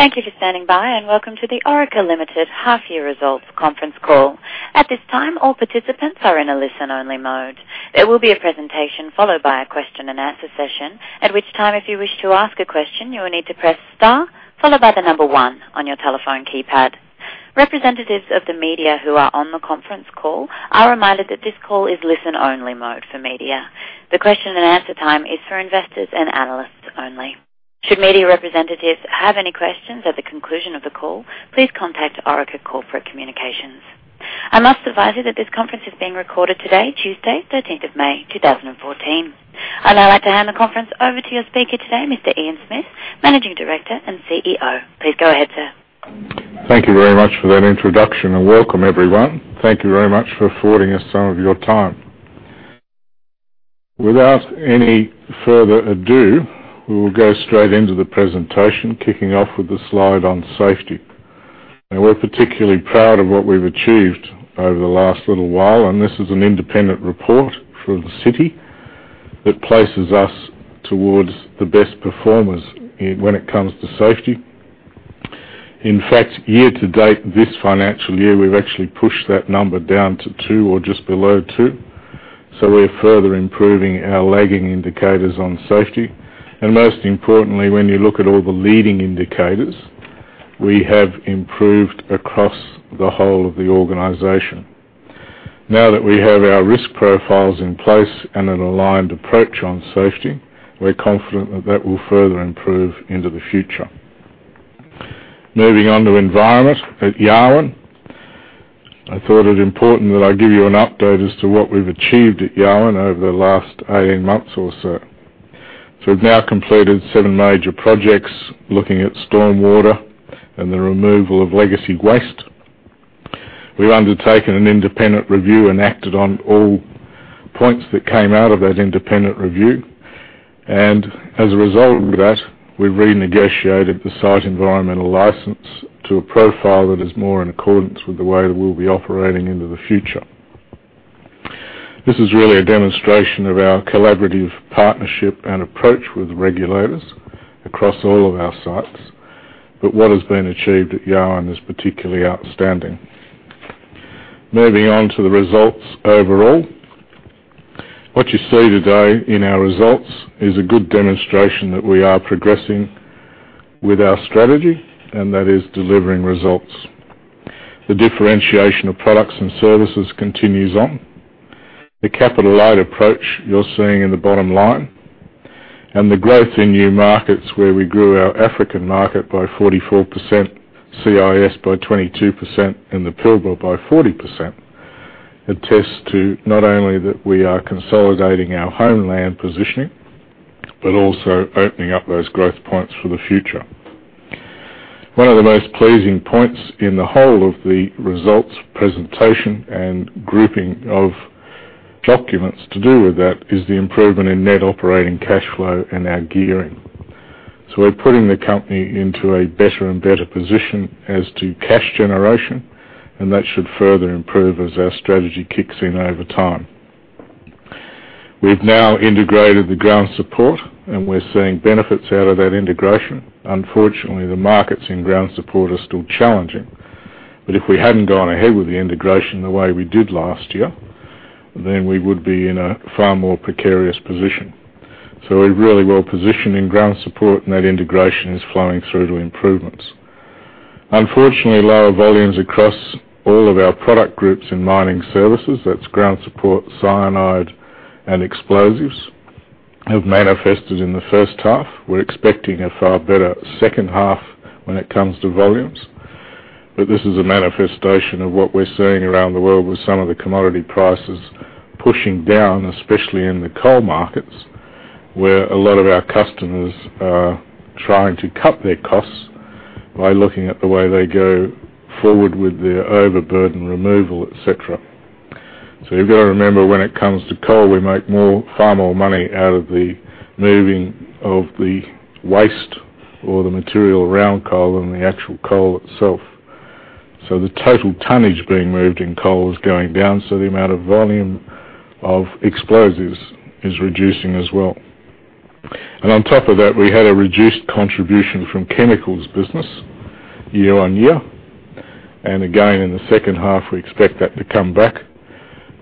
Thank you for standing by, and welcome to the Orica Limited half-year results conference call. At this time, all participants are in a listen-only mode. There will be a presentation followed by a question and answer session, at which time, if you wish to ask a question, you will need to press star followed by the number one on your telephone keypad. Representatives of the media who are on the conference call are reminded that this call is listen-only mode for media. The question and answer time is for investors and analysts only. Should media representatives have any questions at the conclusion of the call, please contact Orica Corporate Communications. I must advise you that this conference is being recorded today, Tuesday, 13th of May, 2014. I'd now like to hand the conference over to your speaker today, Mr. Ian Smith, Managing Director and CEO. Please go ahead, sir. Thank you very much for that introduction, and welcome everyone. Thank you very much for affording us some of your time. Without any further ado, we will go straight into the presentation, kicking off with the slide on safety. We're particularly proud of what we've achieved over the last little while, and this is an independent report from the city that places us towards the best performers when it comes to safety. In fact, year-to-date this financial year, we've actually pushed that number down to two or just below two. We're further improving our lagging indicators on safety. Most importantly, when you look at all the leading indicators, we have improved across the whole of the organization. That we have our risk profiles in place and an aligned approach on safety, we're confident that that will further improve into the future. Moving on to environment at Yarwun. I thought it important that I give you an update as to what we've achieved at Yarwun over the last 18 months or so. We've now completed seven major projects looking at stormwater and the removal of legacy waste. We've undertaken an independent review and acted on all points that came out of that independent review. As a result of that, we've renegotiated the site environmental license to a profile that is more in accordance with the way that we'll be operating into the future. This is really a demonstration of our collaborative partnership and approach with regulators across all of our sites, what has been achieved at Yarwun is particularly outstanding. Moving on to the results overall. What you see today in our results is a good demonstration that we are progressing with our strategy and that is delivering results. The differentiation of products and services continues on. The capital light approach you're seeing in the bottom line and the growth in new markets where we grew our African market by 44%, CIS by 22% and the Pilbara by 40%, attests to not only that we are consolidating our homeland positioning, but also opening up those growth points for the future. One of the most pleasing points in the whole of the results presentation and grouping of documents to do with that is the improvement in net operating cash flow and our gearing. We're putting the company into a better and better position as to cash generation, that should further improve as our strategy kicks in over time. We've now integrated the ground support, and we're seeing benefits out of that integration. Unfortunately, the markets in ground support are still challenging, but if we hadn't gone ahead with the integration the way we did last year, then we would be in a far more precarious position. We're really well positioned in ground support, and that integration is flowing through to improvements. Unfortunately, lower volumes across all of our product groups in mining services, that's ground support, cyanide, and explosives, have manifested in the first half. We're expecting a far better second half when it comes to volumes. This is a manifestation of what we're seeing around the world with some of the commodity prices pushing down, especially in the coal markets, where a lot of our customers are trying to cut their costs by looking at the way they go forward with their overburden removal, et cetera. You've got to remember when it comes to coal, we make far more money out of the moving of the waste or the material around coal than the actual coal itself. The total tonnage being moved in coal is going down, so the amount of volume of explosives is reducing as well. On top of that, we had a reduced contribution from chemicals business year on year. Again, in the second half, we expect that to come back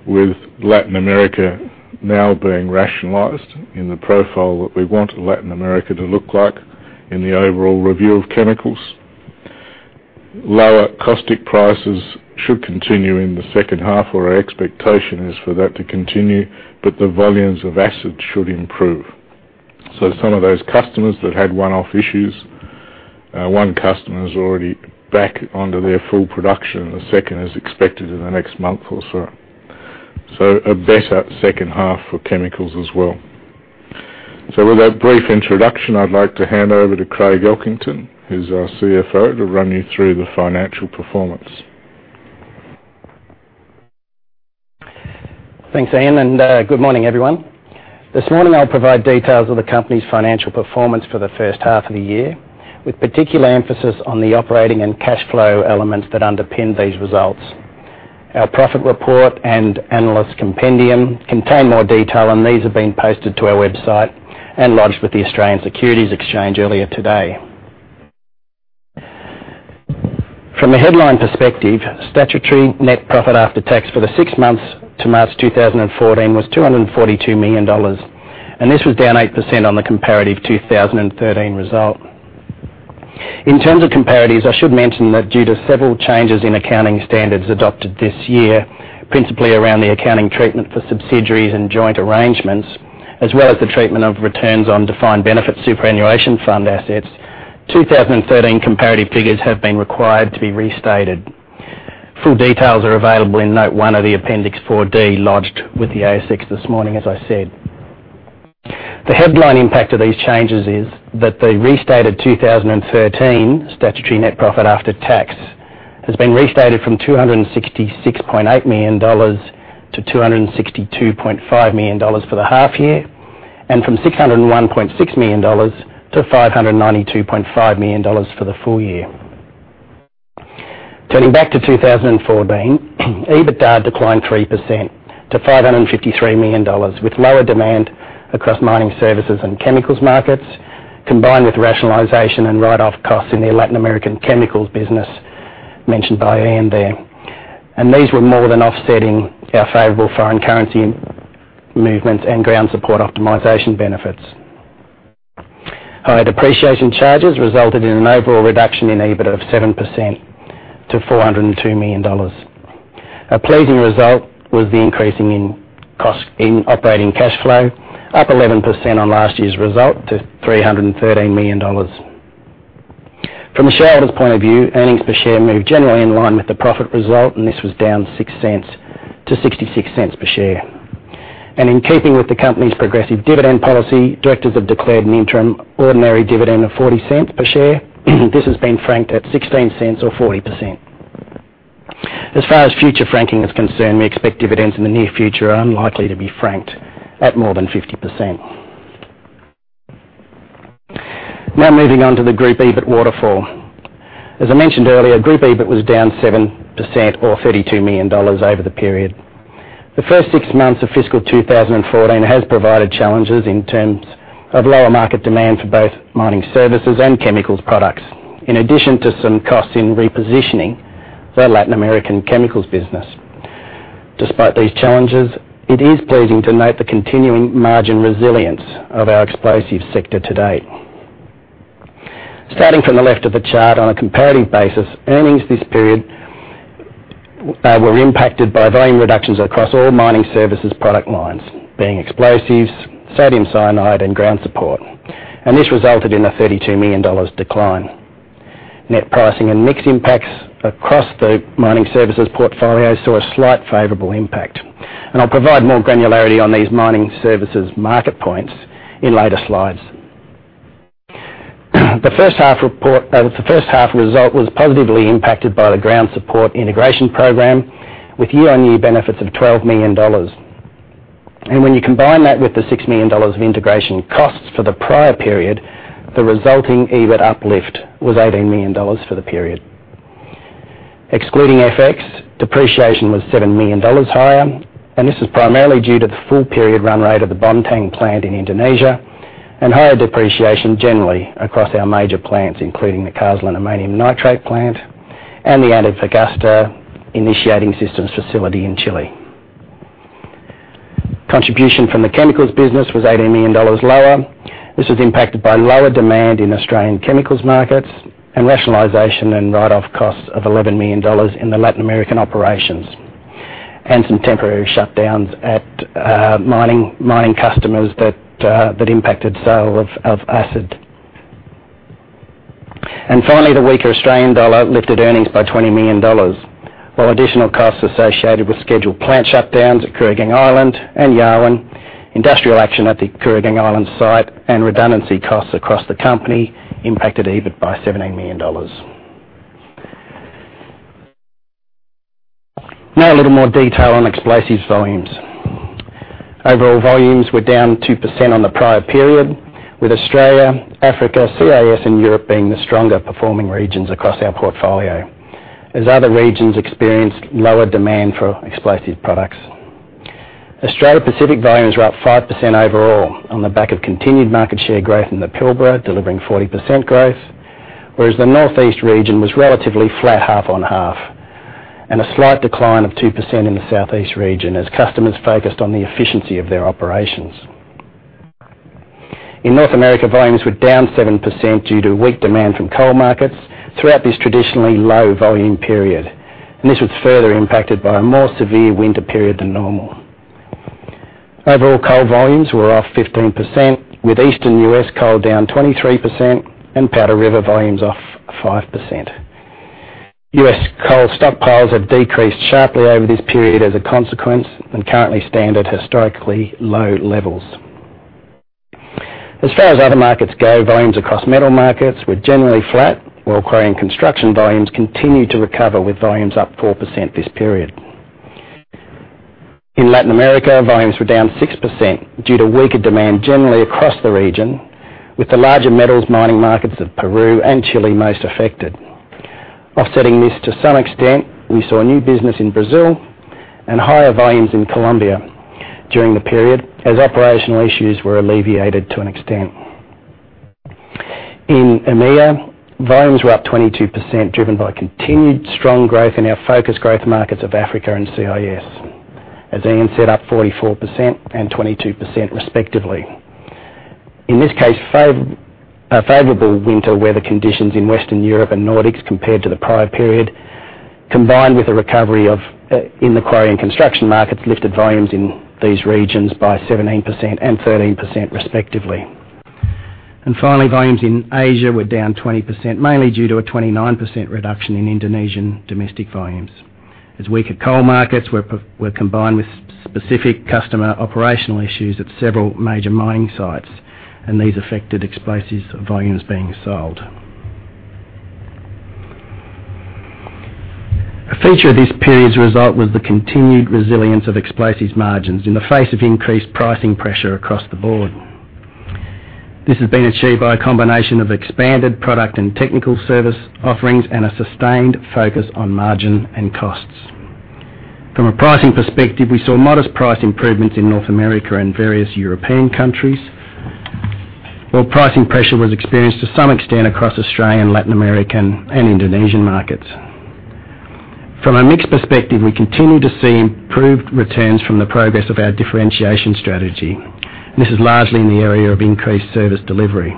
with Latin America now being rationalized in the profile that we want Latin America to look like in the overall review of chemicals. Lower caustic prices should continue in the second half, or our expectation is for that to continue, the volumes of acid should improve. Some of those customers that had one-off issues, one customer is already back onto their full production. The second is expected in the next month or so. A better second half for chemicals as well. With that brief introduction, I'd like to hand over to Craig Elkington, who's our CFO, to run you through the financial performance. Thanks, Ian, and good morning, everyone. This morning, I'll provide details of the company's financial performance for the first half of the year, with particular emphasis on the operating and cash flow elements that underpin these results. Our profit report and analyst compendium contain more detail, these have been posted to our website and lodged with the Australian Securities Exchange earlier today. From a headline perspective, statutory net profit after tax for the six months to March 2014 was 242 million dollars, this was down 8% on the comparative 2013 result. In terms of comparatives, I should mention that due to several changes in accounting standards adopted this year, principally around the accounting treatment for subsidiaries and joint arrangements, as well as the treatment of returns on defined benefit superannuation fund assets, 2013 comparative figures have been required to be restated. Full details are available in note one of the Appendix 4D lodged with the ASX this morning, as I said. The headline impact of these changes is that the restated 2013 statutory net profit after tax has been restated from 266.8 million dollars to 262.5 million dollars for the half-year, from 601.6 million dollars to 592.5 million dollars for the full year. Turning back to 2014, EBITDA declined 3% to 553 million dollars, with lower demand across mining services and chemicals markets, combined with rationalization and write-off costs in the Latin American chemicals business mentioned by Ian there. These were more than offsetting our favorable foreign currency movements and ground support optimization benefits. Higher depreciation charges resulted in an overall reduction in EBIT of 7% to 402 million dollars. A pleasing result was the increasing in operating cash flow, up 11% on last year's result to 313 million dollars. From a shareholder's point of view, earnings per share moved generally in line with the profit result, this was down 0.06 to 0.66 per share. In keeping with the company's progressive dividend policy, directors have declared an interim ordinary dividend of 0.40 per share. This has been franked at 0.16 or 40%. As far as future franking is concerned, we expect dividends in the near future are unlikely to be franked at more than 50%. Moving on to the group EBIT waterfall. As I mentioned earlier, group EBIT was down 7% or 32 million dollars over the period. The first six months of fiscal 2014 has provided challenges in terms of lower market demand for both mining services and chemicals products, in addition to some costs in repositioning their Latin American chemicals business. Despite these challenges, it is pleasing to note the continuing margin resilience of our explosives sector to date. Starting from the left of the chart on a comparative basis, earnings this period were impacted by volume reductions across all mining services product lines, being explosives, sodium cyanide, and ground support. This resulted in a 32 million dollars decline. Net pricing and mix impacts across the mining services portfolio saw a slight favorable impact. I'll provide more granularity on these mining services market points in later slides. The first half result was positively impacted by the ground support integration program, with year-on-year benefits of 12 million dollars. When you combine that with the 6 million dollars of integration costs for the prior period, the resulting EBIT uplift was 18 million dollars for the period. Excluding FX, depreciation was 7 million dollars higher, and this was primarily due to the full-period run rate of the Bontang plant in Indonesia and higher depreciation generally across our major plants, including the Karratha Ammonium Nitrate plant and the Antofagasta Initiating Systems facility in Chile. Contribution from the chemicals business was 18 million dollars lower. This was impacted by lower demand in Australian chemicals markets and rationalization and write-off costs of 11 million dollars in the Latin American operations, and some temporary shutdowns at mine customers that impacted sale of acid. Finally, the weaker Australian dollar lifted earnings by 20 million dollars. While additional costs associated with scheduled plant shutdowns at Curraghinalt and Yarwun, industrial action at the Curraghinalt site, and redundancy costs across the company impacted EBIT by 17 million dollars. Now, a little more detail on explosives volumes. Overall volumes were down 2% on the prior period, with Australia, Africa, CIS, and Europe being the stronger performing regions across our portfolio, as other regions experienced lower demand for explosives products. Australia Pacific volumes were up 5% overall on the back of continued market share growth in the Pilbara, delivering 40% growth, whereas the Northeast region was relatively flat half on half, and a slight decline of 2% in the Southeast region as customers focused on the efficiency of their operations. In North America, volumes were down 7% due to weak demand from coal markets throughout this traditionally low volume period, and this was further impacted by a more severe winter period than normal. Overall coal volumes were off 15%, with Eastern U.S. coal down 23% and Powder River volumes off 5%. U.S. coal stockpiles have decreased sharply over this period as a consequence and currently stand at historically low levels. As far as other markets go, volumes across metal markets were generally flat, while quarry and construction volumes continued to recover, with volumes up 4% this period. In Latin America, volumes were down 6% due to weaker demand generally across the region, with the larger metals mining markets of Peru and Chile most affected. Offsetting this to some extent, we saw new business in Brazil and higher volumes in Colombia during the period as operational issues were alleviated to an extent. In EMEA, volumes were up 22%, driven by continued strong growth in our focus growth markets of Africa and CIS. As Ian said, up 44% and 22% respectively. In this case, a favorable winter weather conditions in Western Europe and Nordics compared to the prior period, combined with a recovery in the quarry and construction markets, lifted volumes in these regions by 17% and 13% respectively. Finally, volumes in Asia were down 20%, mainly due to a 29% reduction in Indonesian domestic volumes, as weaker coal markets were combined with specific customer operational issues at several major mining sites, and these affected explosives volumes being sold. A feature of this period's result was the continued resilience of explosives margins in the face of increased pricing pressure across the board. This has been achieved by a combination of expanded product and technical service offerings and a sustained focus on margin and costs. From a pricing perspective, we saw modest price improvements in North America and various European countries, while pricing pressure was experienced to some extent across Australian, Latin American, and Indonesian markets. From a mix perspective, we continue to see improved returns from the progress of our differentiation strategy. This is largely in the area of increased service delivery.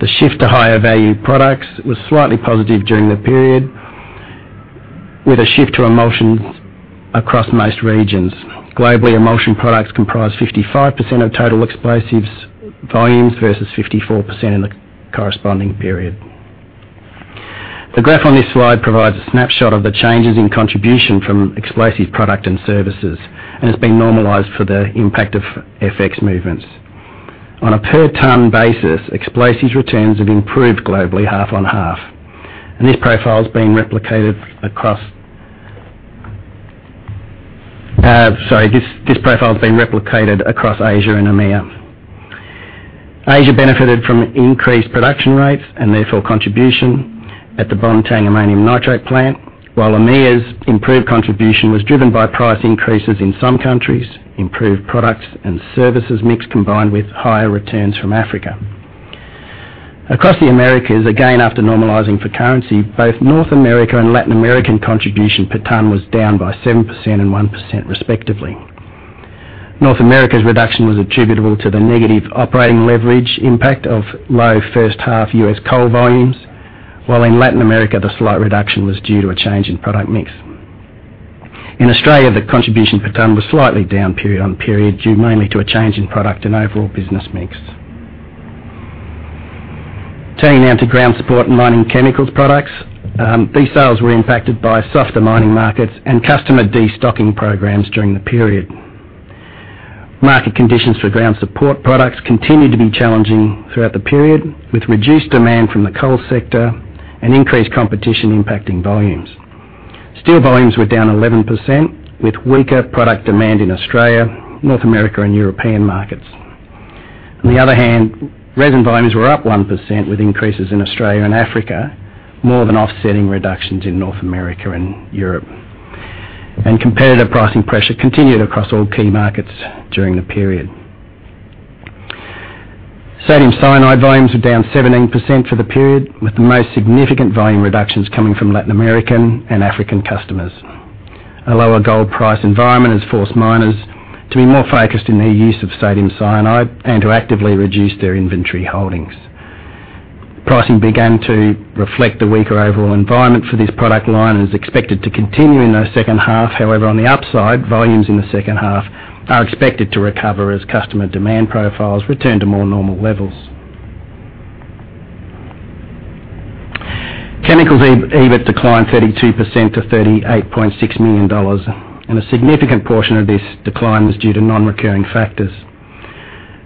The shift to higher value products was slightly positive during the period, with a shift to emulsions across most regions. Globally, emulsion products comprise 55% of total explosives volumes versus 54% in the corresponding period. The graph on this slide provides a snapshot of the changes in contribution from explosives product and services and has been normalized for the impact of FX movements. On a per ton basis, explosives returns have improved globally half on half. This profile is being replicated across Asia and EMEA. Asia benefited from increased production rates and therefore contribution at the Bontang ammonium nitrate plant, while EMEA's improved contribution was driven by price increases in some countries, improved products and services mix, combined with higher returns from Africa. Across the Americas, again, after normalizing for currency, both North America and Latin American contribution per ton was down by 7% and 1%, respectively. North America's reduction was attributable to the negative operating leverage impact of low first half U.S. coal volumes, while in Latin America, the slight reduction was due to a change in product mix. In Australia, the contribution per ton was slightly down period on period, due mainly to a change in product and overall business mix. Turning now to ground support and mining chemicals products. These sales were impacted by softer mining markets and customer destocking programs during the period. Market conditions for ground support products continued to be challenging throughout the period, with reduced demand from the coal sector and increased competition impacting volumes. Steel volumes were down 11%, with weaker product demand in Australia, North America and European markets. On the other hand, resin volumes were up 1% with increases in Australia and Africa, more than offsetting reductions in North America and Europe. Competitive pricing pressure continued across all key markets during the period. sodium cyanide volumes were down 17% for the period, with the most significant volume reductions coming from Latin American and African customers. A lower gold price environment has forced miners to be more focused in their use of sodium cyanide and to actively reduce their inventory holdings. Pricing began to reflect the weaker overall environment for this product line and is expected to continue in the second half. On the upside, volumes in the second half are expected to recover as customer demand profiles return to more normal levels. Chemicals EBIT declined 32% to 38.6 million dollars, a significant portion of this decline was due to non-recurring factors.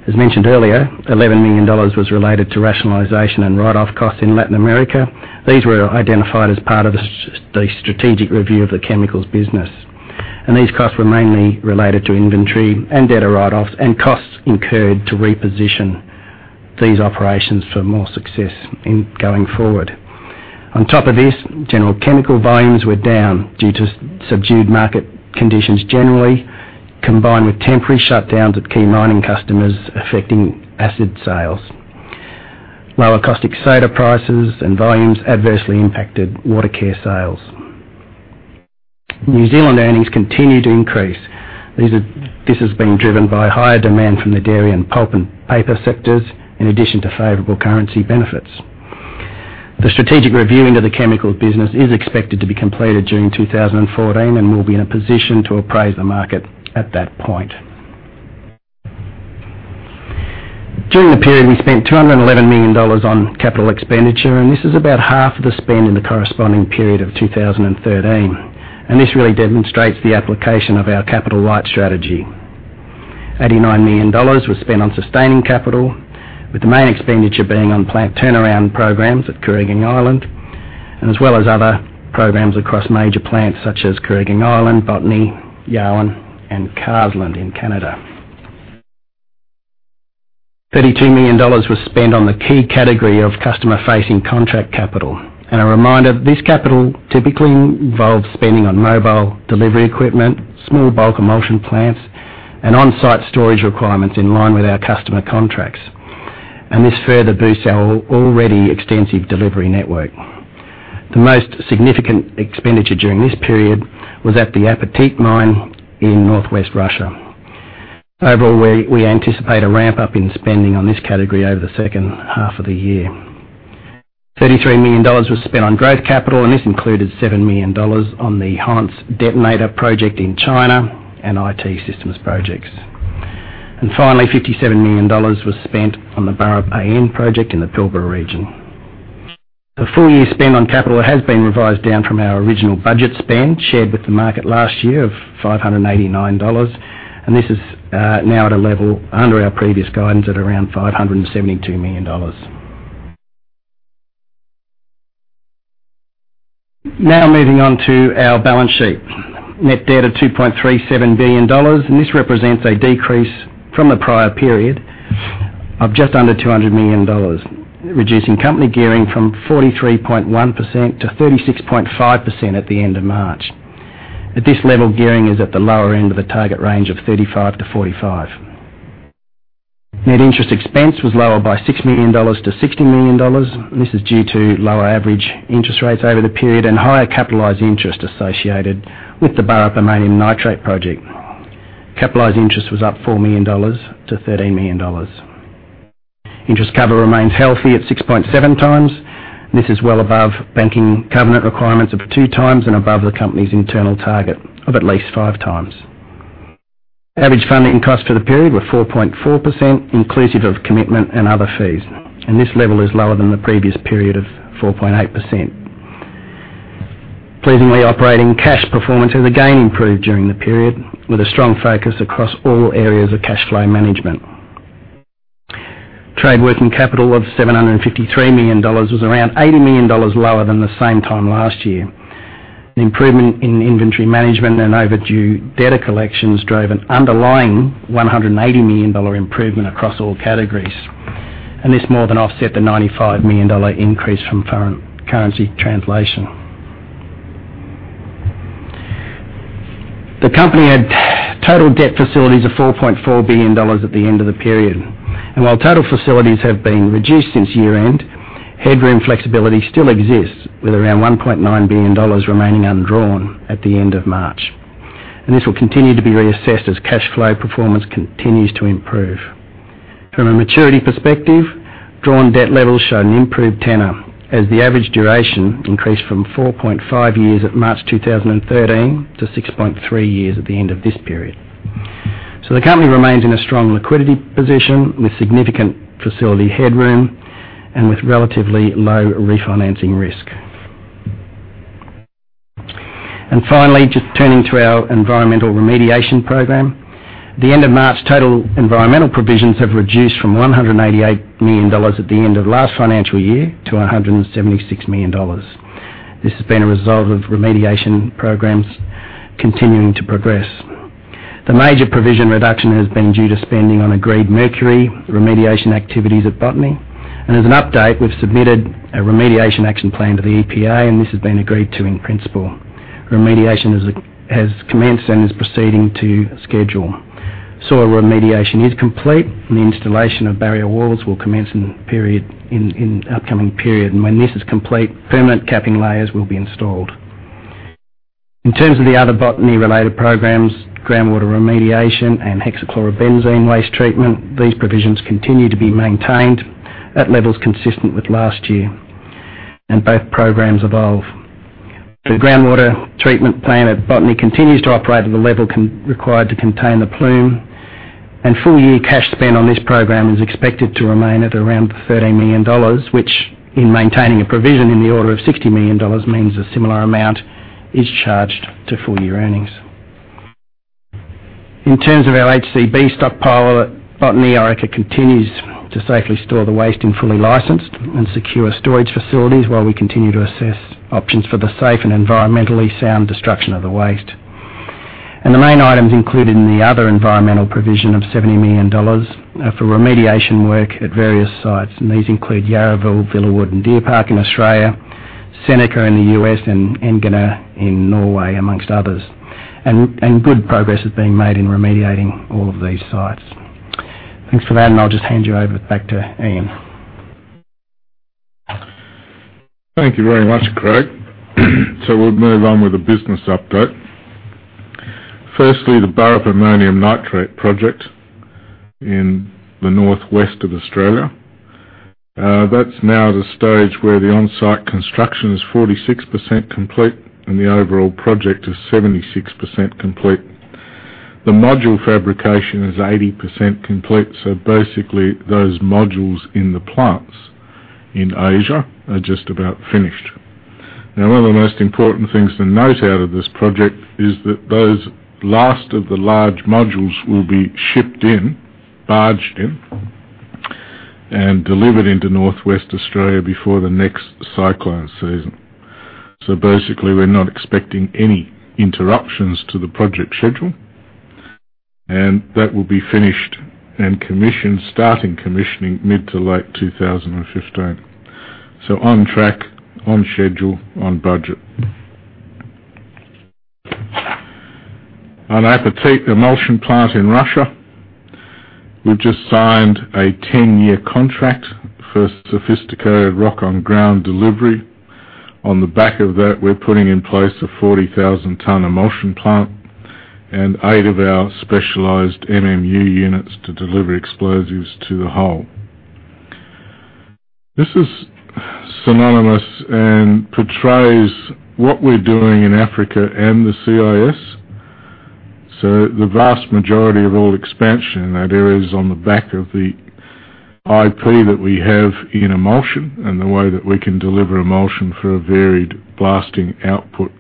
As mentioned earlier, AUD 11 million was related to rationalization and write-off costs in Latin America. These were identified as part of the strategic review of the chemicals business, these costs were mainly related to inventory and data write-offs and costs incurred to reposition these operations for more success in going forward. On top of this, general chemical volumes were down due to subdued market conditions generally, combined with temporary shutdowns at key mining customers affecting acid sales. Lower caustic soda prices and volumes adversely impacted water care sales. New Zealand earnings continued to increase. This has been driven by higher demand from the dairy and pulp and paper sectors, in addition to favorable currency benefits. The strategic reviewing of the chemicals business is expected to be completed during 2014, we'll be in a position to appraise the market at that point. During the period, we spent 211 million dollars on capital expenditure, this is about half of the spend in the corresponding period of 2013. This really demonstrates the application of our capital light strategy. 89 million dollars was spent on sustaining capital, with the main expenditure being on plant turnaround programs at Kooragang Island, as well as other programs across major plants such as Kooragang Island, Bontang, Yarwun, and Carseland in Canada. 32 million dollars was spent on the key category of customer-facing contract capital. A reminder, this capital typically involves spending on mobile delivery equipment, small bulk emulsion plants, and on-site storage requirements in line with our customer contracts. This further boosts our already extensive delivery network. The most significant expenditure during this period was at the Apatit mine in Northwest Russia. Overall, we anticipate a ramp-up in spending on this category over the second half of the year. 33 million dollars was spent on growth capital, this included 7 million dollars on the Nanling detonator project in China and IT systems projects. Finally, 57 million dollars was spent on the Burrup AN project in the Pilbara region. The full-year spend on capital has been revised down from our original budget spend shared with the market last year of 589 million dollars, this is now at a level under our previous guidance at around 572 million dollars. Moving on to our balance sheet. Net debt of 2.37 billion dollars, this represents a decrease from the prior period of just under 200 million dollars, reducing company gearing from 43.1% to 36.5% at the end of March. At this level, gearing is at the lower end of the target range of 35%-45%. Net interest expense was lowered by 6 million dollars to 60 million dollars. This is due to lower average interest rates over the period and higher capitalized interest associated with the Burrup Ammonium Nitrate project. Capitalized interest was up 4 million dollars to 13 million dollars. Interest cover remains healthy at 6.7 times. This is well above banking covenant requirements of 2 times and above the company's internal target of at least 5 times. Average funding costs for the period were 4.4%, inclusive of commitment and other fees, this level is lower than the previous period of 4.8%. Pleasingly, operating cash performance has again improved during the period, with a strong focus across all areas of cash flow management. Trade working capital of 753 million dollars was around 80 million dollars lower than the same time last year. The improvement in inventory management and overdue debtor collections drove an underlying 180 million dollar improvement across all categories, this more than offset the 95 million dollar increase from foreign currency translation. The company had total debt facilities of 4.4 billion dollars at the end of the period. While total facilities have been reduced since year-end, headroom flexibility still exists, with around 1.9 billion dollars remaining undrawn at the end of March. This will continue to be reassessed as cash flow performance continues to improve. From a maturity perspective, drawn debt levels show an improved tenor, as the average duration increased from 4.5 years at March 2013 to 6.3 years at the end of this period. The company remains in a strong liquidity position, with significant facility headroom and with relatively low refinancing risk. Finally, just turning to our environmental remediation program. At the end of March, total environmental provisions have reduced from 188 million dollars at the end of last financial year to 176 million dollars. This has been a result of remediation programs continuing to progress. The major provision reduction has been due to spending on agreed mercury remediation activities at Botany. As an update, we've submitted a remediation action plan to the EPA, and this has been agreed to in principle. Remediation has commenced and is proceeding to schedule. Soil remediation is complete, the installation of barrier walls will commence in upcoming period. When this is complete, permanent capping layers will be installed. In terms of the other Botany-related programs, groundwater remediation and hexachlorobenzene waste treatment, these provisions continue to be maintained at levels consistent with last year, both programs evolve. The groundwater treatment plant at Botany continues to operate at the level required to contain the plume, full-year cash spend on this program is expected to remain at around 13 million dollars, which, in maintaining a provision in the order of 60 million dollars, means a similar amount is charged to full-year earnings. In terms of our HCB stockpile at Botany, Orica continues to safely store the waste in fully licensed and secure storage facilities while we continue to assess options for the safe and environmentally sound destruction of the waste. The main items included in the other environmental provision of 70 million dollars are for remediation work at various sites, these include Yarraville, Villawood, and Deer Park in Australia, Seneca in the U.S., and Engene in Norway, amongst others. Good progress being made in remediating all of these sites. Thanks for that. I'll just hand you over back to Ian. Thank you very much, Craig. We'll move on with the business update. Firstly, the Burrup Ammonium Nitrate project in the northwest of Australia. That's now at a stage where the on-site construction is 46% complete and the overall project is 76% complete. The module fabrication is 80% complete, basically, those modules in the plants in Asia are just about finished. One of the most important things to note out of this project is that those last of the large modules will be shipped in, barged in, and delivered into Northwest Australia before the next cyclone season. Basically, we're not expecting any interruptions to the project schedule, and that will be finished and starting commissioning mid to late 2015. On track, on schedule, on budget. On Apatit emulsion plant in Russia, we've just signed a 10-year contract for sophisticated rock on ground delivery. On the back of that, we're putting in place a 40,000 tons emulsion plant and eight of our specialized MMU units to deliver explosives to the hole. This is synonymous and portrays what we're doing in Africa and the CIS. The vast majority of all expansion in that area is on the back of the IP that we have in emulsion and the way that we can deliver emulsion for a varied blasting output.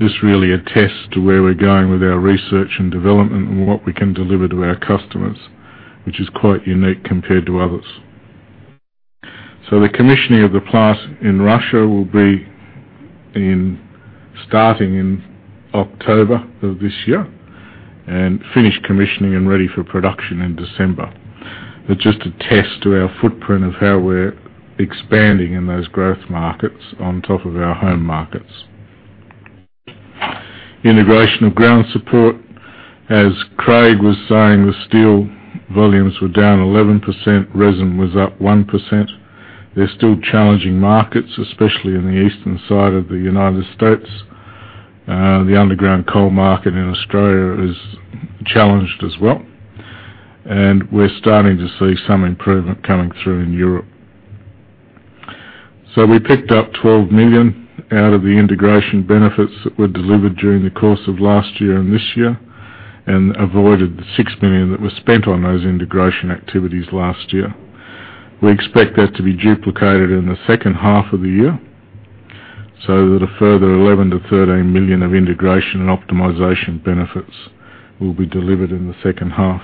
This really attests to where we're going with our research and development and what we can deliver to our customers, which is quite unique compared to others. The commissioning of the plant in Russia will be starting in October of this year and finish commissioning and ready for production in December. Just attests to our footprint of how we're expanding in those growth markets on top of our home markets. Integration of ground support. As Craig was saying, the steel volumes were down 11%, resin was up 1%. They're still challenging markets, especially in the eastern side of the U.S. The underground coal market in Australia is challenged as well, and we're starting to see some improvement coming through in Europe. We picked up 12 million out of the integration benefits that were delivered during the course of last year and this year, and avoided the 6 million that was spent on those integration activities last year. We expect that to be duplicated in the second half of the year, so that a further 11 million-13 million of integration and optimization benefits will be delivered in the second half.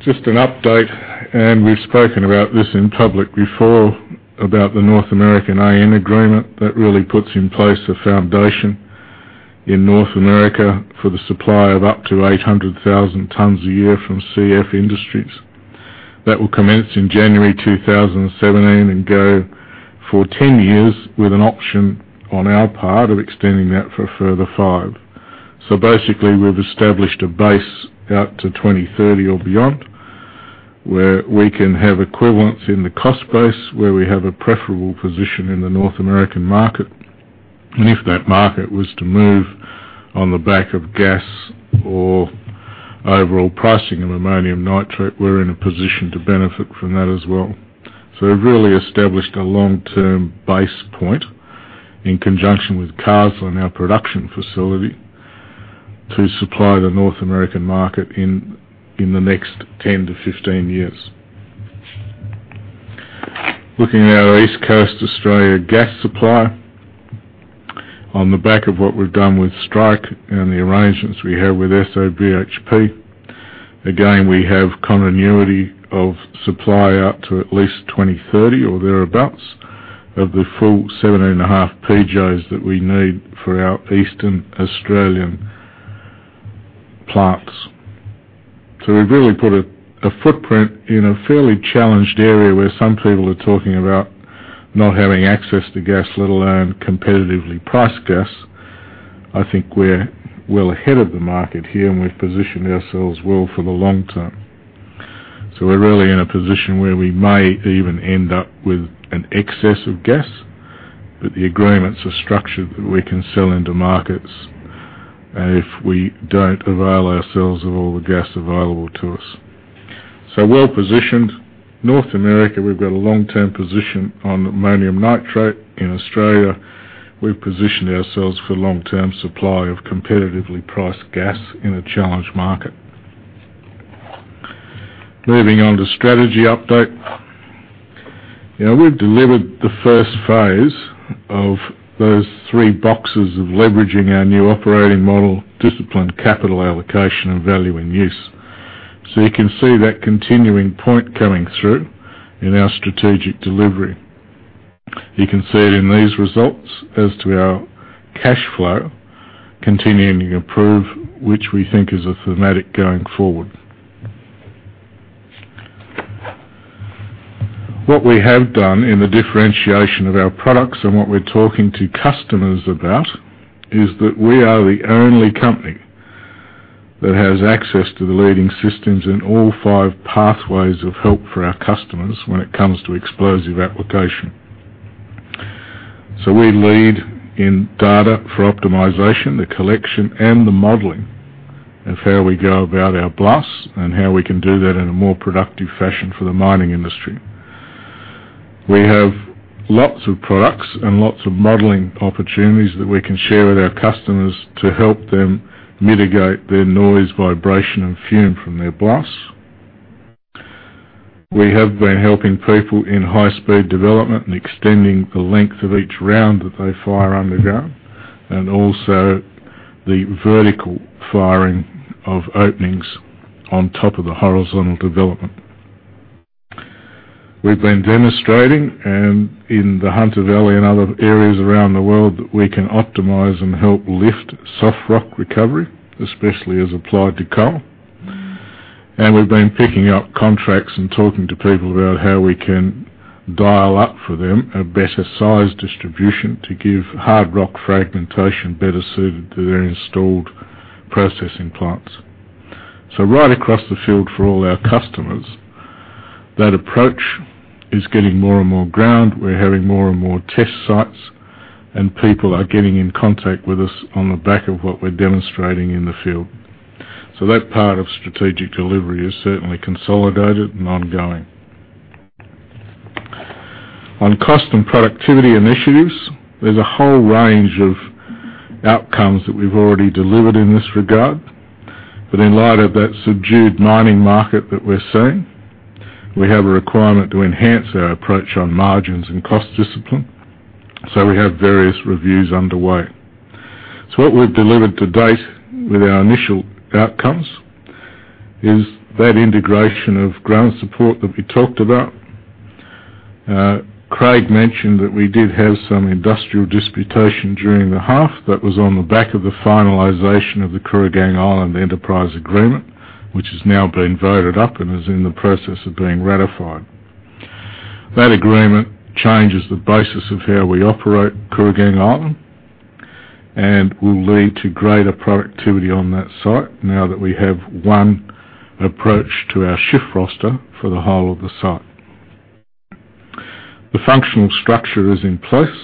Just an update, and we've spoken about this in public before about the North American AN agreement that really puts in place a foundation in North America for the supply of up to 800,000 tons a year from CF Industries. That will commence in January 2017 and go for 10 years with an option on our part of extending that for a further five. Basically, we've established a base out to 2030 or beyond, where we can have equivalence in the cost base, where we have a preferable position in the North American market. If that market was to move on the back of gas or overall pricing of ammonium nitrate, we're in a position to benefit from that as well. We've really established a long-term base point in conjunction with Carseland, our production facility, to supply the North American market in the next 10-15 years. Looking at our East Coast Australia gas supply. On the back of what we've done with Strike and the arrangements we have with Santos BHP, we have continuity of supply out to at least 2030 or thereabouts of the full 17.5 PJs that we need for our Eastern Australian plants. We've really put a footprint in a fairly challenged area where some people are talking about not having access to gas, let alone competitively priced gas. I think we're well ahead of the market here, and we've positioned ourselves well for the long term. We're really in a position where we may even end up with an excess of gas, but the agreements are structured that we can sell into markets if we don't avail ourselves of all the gas available to us. Well-positioned. North America, we've got a long-term position on ammonium nitrate. In Australia, we've positioned ourselves for long-term supply of competitively priced gas in a challenged market. Moving on to strategy update. We've delivered the first phase of those three boxes of leveraging our new operating model, disciplined capital allocation, and value in use. You can see that continuing point coming through in our strategic delivery. You can see it in these results as to our cash flow continuing to improve, which we think is a thematic going forward. What we have done in the differentiation of our products and what we're talking to customers about is that we are the only company that has access to the leading systems in all five pathways of help for our customers when it comes to explosive application. We lead in data for optimization, the collection and the modeling of how we go about our blasts and how we can do that in a more productive fashion for the mining industry. Lots of products and lots of modeling opportunities that we can share with our customers to help them mitigate their noise, vibration, and fume from their blasts. We have been helping people in high-speed development and extending the length of each round that they fire underground, and also the vertical firing of openings on top of the horizontal development. We've been demonstrating, in the Hunter Valley and other areas around the world, that we can optimize and help lift soft rock recovery, especially as applied to coal. We've been picking up contracts and talking to people about how we can dial up for them a better size distribution to give hard rock fragmentation better suited to their installed processing plants. Right across the field for all our customers, that approach is getting more and more ground. We're having more and more test sites, and people are getting in contact with us on the back of what we're demonstrating in the field. That part of strategic delivery is certainly consolidated and ongoing. On cost and productivity initiatives, there's a whole range of outcomes that we've already delivered in this regard. In light of that subdued mining market that we're seeing, we have a requirement to enhance our approach on margins and cost discipline, so we have various reviews underway. What we've delivered to date with our initial outcomes is that integration of ground support that we talked about. Craig mentioned that we did have some industrial disputation during the half that was on the back of the finalization of the Kooragang Island Enterprise Agreement, which has now been voted up and is in the process of being ratified. That agreement changes the basis of how we operate Kooragang Island and will lead to greater productivity on that site now that we have one approach to our shift roster for the whole of the site. The functional structure is in place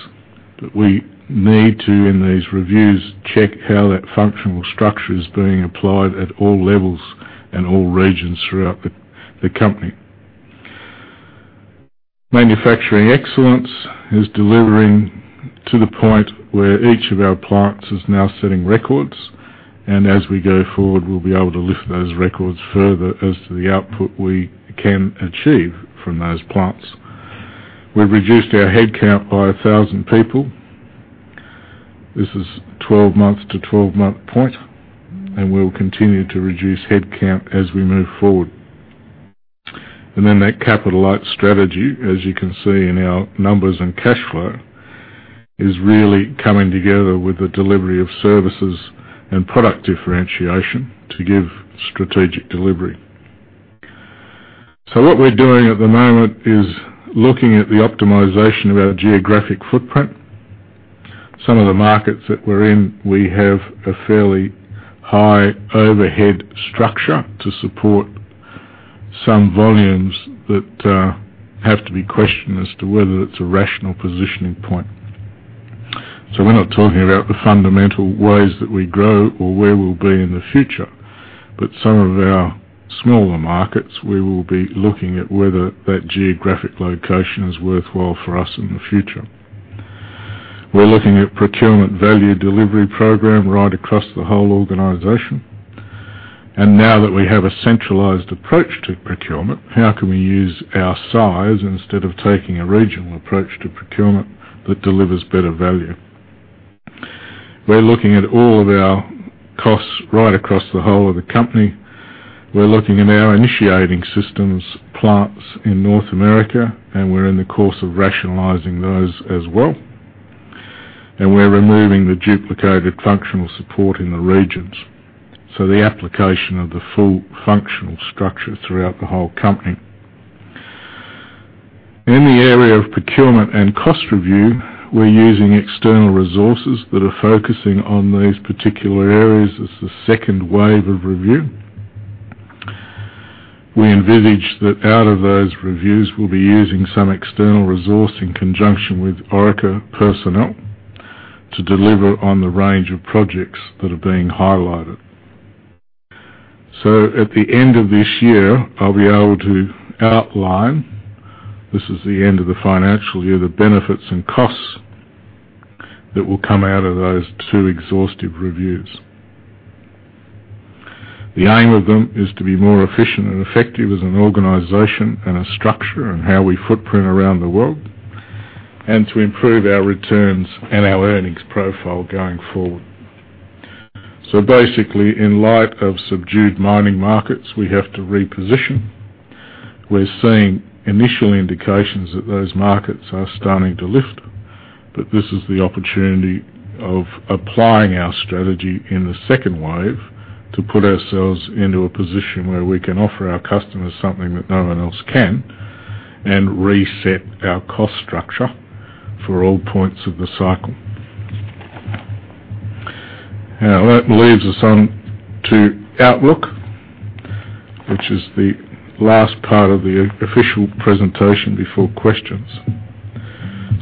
that we need to, in these reviews, check how that functional structure is being applied at all levels and all regions throughout the company. Manufacturing excellence is delivering to the point where each of our plants is now setting records, and as we go forward, we'll be able to lift those records further as to the output we can achieve from those plants. We've reduced our headcount by 1,000 people. This is 12 months to 12-month point, and we'll continue to reduce headcount as we move forward. That capital light strategy, as you can see in our numbers and cash flow, is really coming together with the delivery of services and product differentiation to give strategic delivery. What we're doing at the moment is looking at the optimization of our geographic footprint. Some of the markets that we're in, we have a fairly high overhead structure to support some volumes that have to be questioned as to whether it's a rational positioning point. We're not talking about the fundamental ways that we grow or where we'll be in the future. Some of our smaller markets, we will be looking at whether that geographic location is worthwhile for us in the future. We're looking at procurement value delivery program right across the whole organization. Now that we have a centralized approach to procurement, how can we use our size instead of taking a regional approach to procurement that delivers better value? We're looking at all of our costs right across the whole of the company. We're looking at our initiating systems plants in North America, and we're in the course of rationalizing those as well. We're removing the duplicated functional support in the regions. The application of the full functional structure throughout the whole company. In the area of procurement and cost review, we're using external resources that are focusing on these particular areas as the second wave of review. We envisage that out of those reviews, we'll be using some external resource in conjunction with Orica personnel to deliver on the range of projects that are being highlighted. At the end of this year, I'll be able to outline, this is the end of the financial year, the benefits and costs that will come out of those two exhaustive reviews. The aim of them is to be more efficient and effective as an organization and a structure in how we footprint around the world and to improve our returns and our earnings profile going forward. Basically, in light of subdued mining markets, we have to reposition. We're seeing initial indications that those markets are starting to lift, but this is the opportunity of applying our strategy in the second wave to put ourselves into a position where we can offer our customers something that no one else can and reset our cost structure for all points of the cycle. That leaves us on to outlook, which is the last part of the official presentation before questions.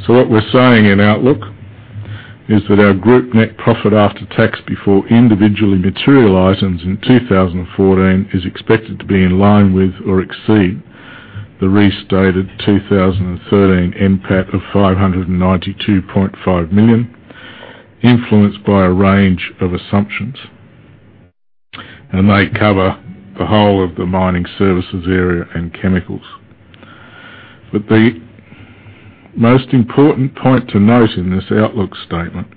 What we're saying in outlook is that our group net profit after tax before individually material items in 2014, is expected to be in line with or exceed the restated 2013 NPAT of 592.5 million, influenced by a range of assumptions, and they cover the whole of the mining services area and chemicals. The most important point to note in this outlook statement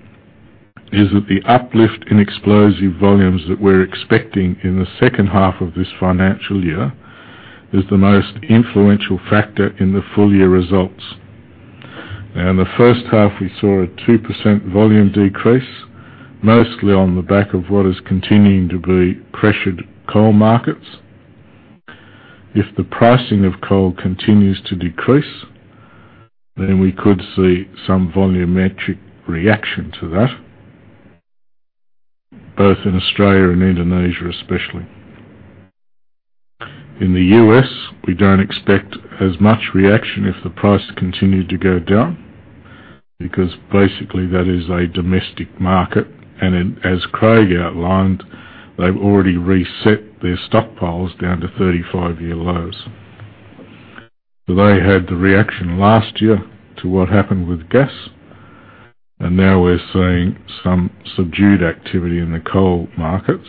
is that the uplift in explosive volumes that we are expecting in the second half of this financial year is the most influential factor in the full year results. In the first half, we saw a 2% volume decrease, mostly on the back of what is continuing to be pressured coal markets. If the pricing of coal continues to decrease, then we could see some volumetric reaction to that, both in Australia and Indonesia, especially. In the U.S., we don't expect as much reaction if the price continued to go down, because basically, that is a domestic market. As Craig outlined, they've already reset their stockpiles down to 35 year lows. They had the reaction last year to what happened with gas, we are seeing some subdued activity in the coal markets,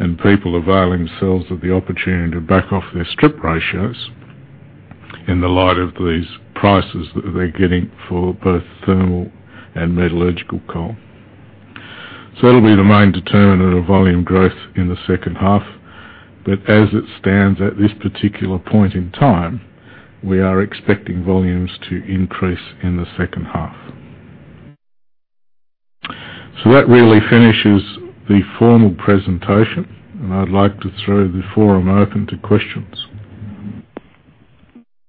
and people availing themselves of the opportunity to back off their strip ratios in the light of these prices that they are getting for both thermal and metallurgical coal. It will be the main determinant of volume growth in the second half. As it stands at this particular point in time, we are expecting volumes to increase in the second half. That really finishes the formal presentation, I would like to throw the forum open to questions.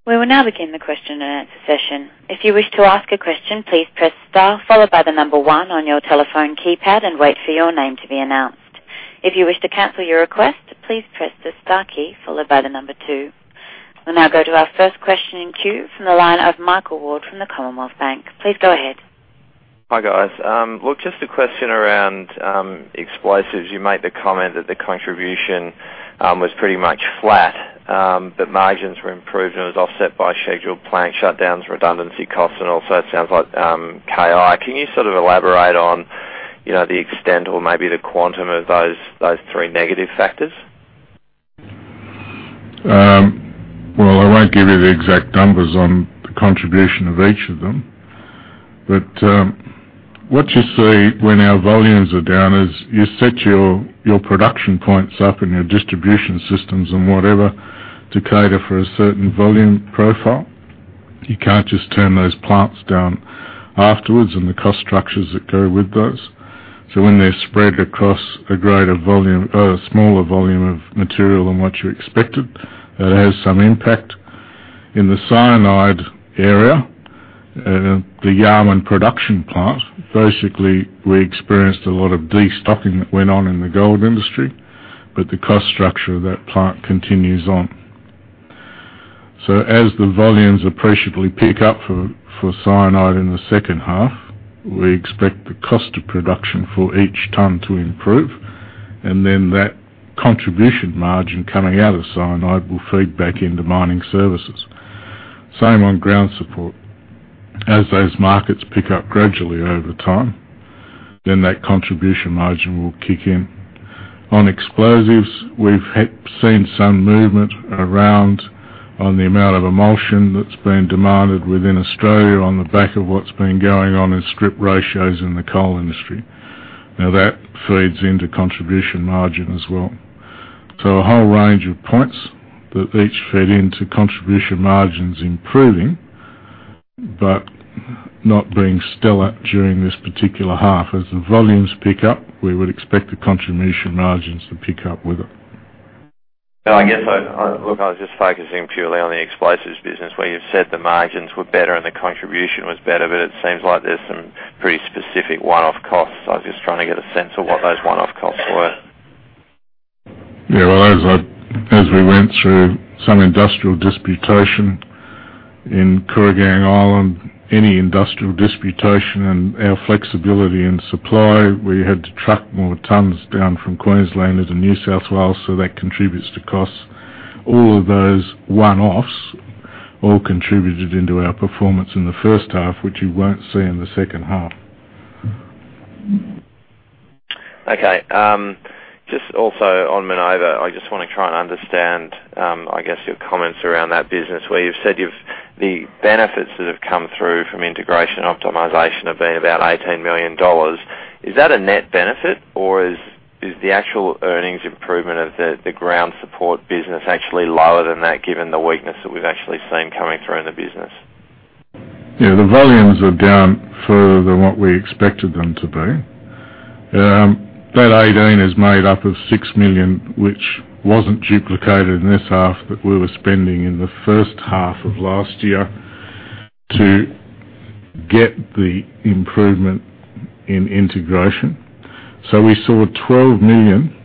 We will now begin the question and answer session. If you wish to ask a question, please press Star, followed by the number 1 on your telephone keypad and wait for your name to be announced. If you wish to cancel your request, please press the Star key followed by the number 2. We will now go to our first question in queue from the line of Michael Ward from the Commonwealth Bank. Please go ahead. Hi, guys. Just a question around explosives. You made the comment that the contribution was pretty much flat, margins were improved and it was offset by scheduled plant shutdowns, redundancy costs, also it sounds like KI. Can you sort of elaborate on the extent or maybe the quantum of those three negative factors? I won't give you the exact numbers on the contribution of each of them. What you see when our volumes are down is you set your production points up and your distribution systems and whatever to cater for a certain volume profile. You can't just turn those plants down afterwards and the cost structures that go with those. When they're spread across a smaller volume of material than what you expected, that has some impact. In the cyanide area, the Yarwun production plant, basically, we experienced a lot of destocking that went on in the gold industry, but the cost structure of that plant continues on. As the volumes appreciably pick up for cyanide in the second half, we expect the cost of production for each ton to improve, that contribution margin coming out of cyanide will feed back into mining services. Same on ground support. As those markets pick up gradually over time, that contribution margin will kick in. On explosives, we've seen some movement around on the amount of emulsion that's been demanded within Australia on the back of what's been going on in strip ratios in the coal industry. That feeds into contribution margin as well. A whole range of points that each fed into contribution margins improving, but not being stellar during this particular half. As the volumes pick up, we would expect the contribution margins to pick up with it. I guess, look, I was just focusing purely on the explosives business where you've said the margins were better and the contribution was better, it seems like there's some pretty specific one-off costs. I was just trying to get a sense of what those one-off costs were. As we went through some industrial disputation in Kooragang Island, any industrial disputation and our flexibility in supply, we had to truck more tons down from Queensland into New South Wales, that contributes to costs. All of those one-offs all contributed into our performance in the first half, which you won't see in the second half. Okay. Just also on Minova, I just want to try and understand, I guess, your comments around that business where you've said the benefits that have come through from integration optimization have been about 18 million dollars. Is that a net benefit or is the actual earnings improvement of the ground support business actually lower than that given the weakness that we've actually seen coming through in the business? Yeah. The volumes are down further than what we expected them to be. That 18 is made up of 6 million, which wasn't duplicated in this half, but we were spending in the first half of last year to get the improvement in integration. We saw 12 million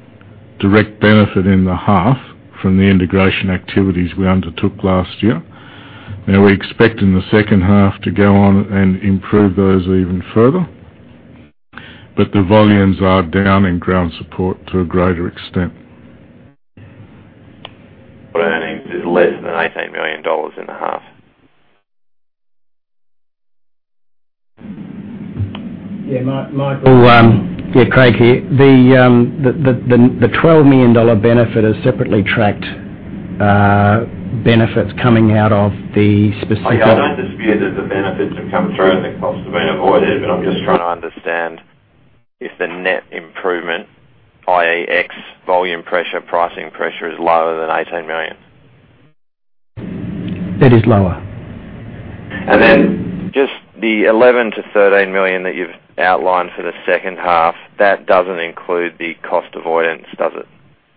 Direct benefit in the half from the integration activities we undertook last year. We expect in the second half to go on and improve those even further. The volumes are down in ground support to a greater extent. Earnings is less than 18 million dollars in the half. Yeah, Craig here. The 12 million dollar benefit is separately tracked benefits coming out of the specific- Okay. I don't dispute that the benefits have come through and the costs have been avoided, I'm just trying to understand if the net improvement, i.e., X volume pressure, pricing pressure is lower than 18 million. It is lower. Just the 11 million-13 million that you've outlined for the second half, that doesn't include the cost avoidance, does it,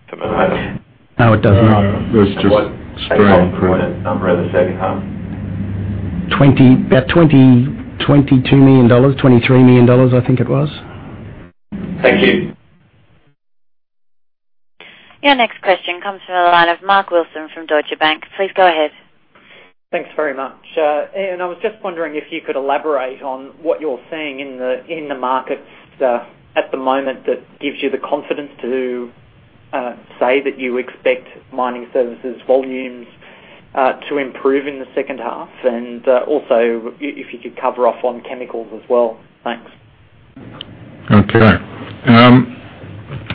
for Minova? No, it does not. No. That's just straight improvement. What's the cost avoidance number of the second half? About 22 million dollars, 23 million dollars, I think it was. Thank you. Your next question comes from the line of Mark Wilson from Deutsche Bank. Please go ahead. Thanks very much. Ian, I was just wondering if you could elaborate on what you're seeing in the markets at the moment that gives you the confidence to say that you expect mining services volumes to improve in the second half and also if you could cover off on chemicals as well. Thanks. Okay.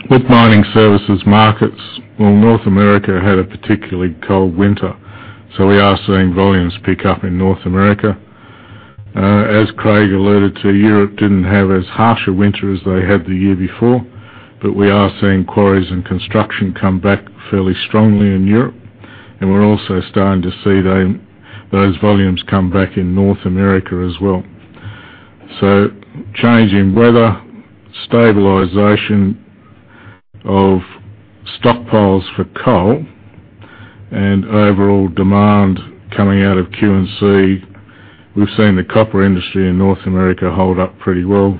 With mining services markets, well, North America had a particularly cold winter, we are seeing volumes pick up in North America. As Craig alluded to, Europe didn't have as harsh a winter as they had the year before, we are seeing quarries and construction come back fairly strongly in Europe, and we're also starting to see those volumes come back in North America as well. Change in weather, stabilization of stockpiles for coal, and overall demand coming out of Q&C, we've seen the copper industry in North America hold up pretty well.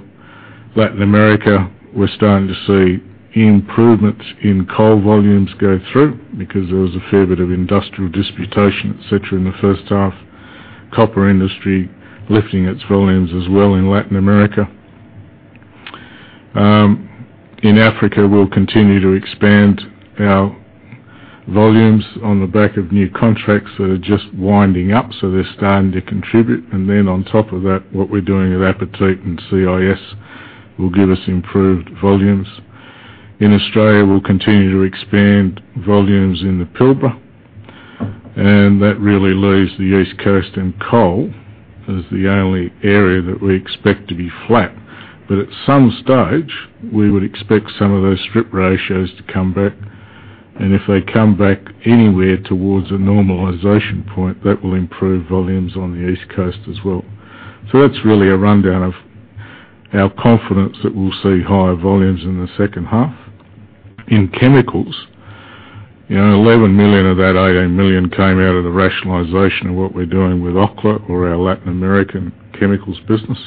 Latin America, we're starting to see improvements in coal volumes go through because there was a fair bit of industrial disputation, et cetera, in the first half. Copper industry lifting its volumes as well in Latin America. In Africa, we'll continue to expand our volumes on the back of new contracts that are just winding up, they're starting to contribute. On top of that, what we're doing at Apatit and CIS will give us improved volumes. In Australia, we'll continue to expand volumes in the Pilbara, and that really leaves the East Coast and coal as the only area that we expect to be flat. At some stage, we would expect some of those strip ratios to come back, and if they come back anywhere towards a normalization point, that will improve volumes on the East Coast as well. That's really a rundown of our confidence that we'll see higher volumes in the second half. In chemicals, 11 million of that 18 million came out of the rationalization of what we're doing with Orica or our Latin American chemicals business.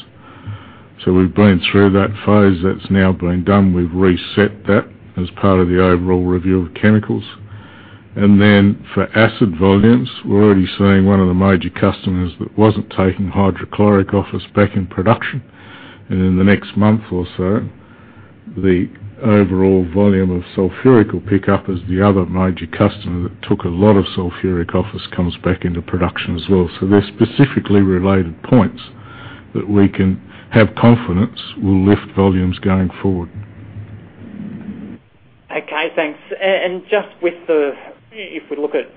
We've been through that phase. That's now been done. We've reset that as part of the overall review of chemicals. For acid volumes, we're already seeing one of the major customers that wasn't taking hydrochloric off us back in production. In the next month or so, the overall volume of sulfuric will pick up as the other major customer that took a lot of sulfuric off us comes back into production as well. They're specifically related points that we can have confidence will lift volumes going forward. Okay, thanks. Just if we look at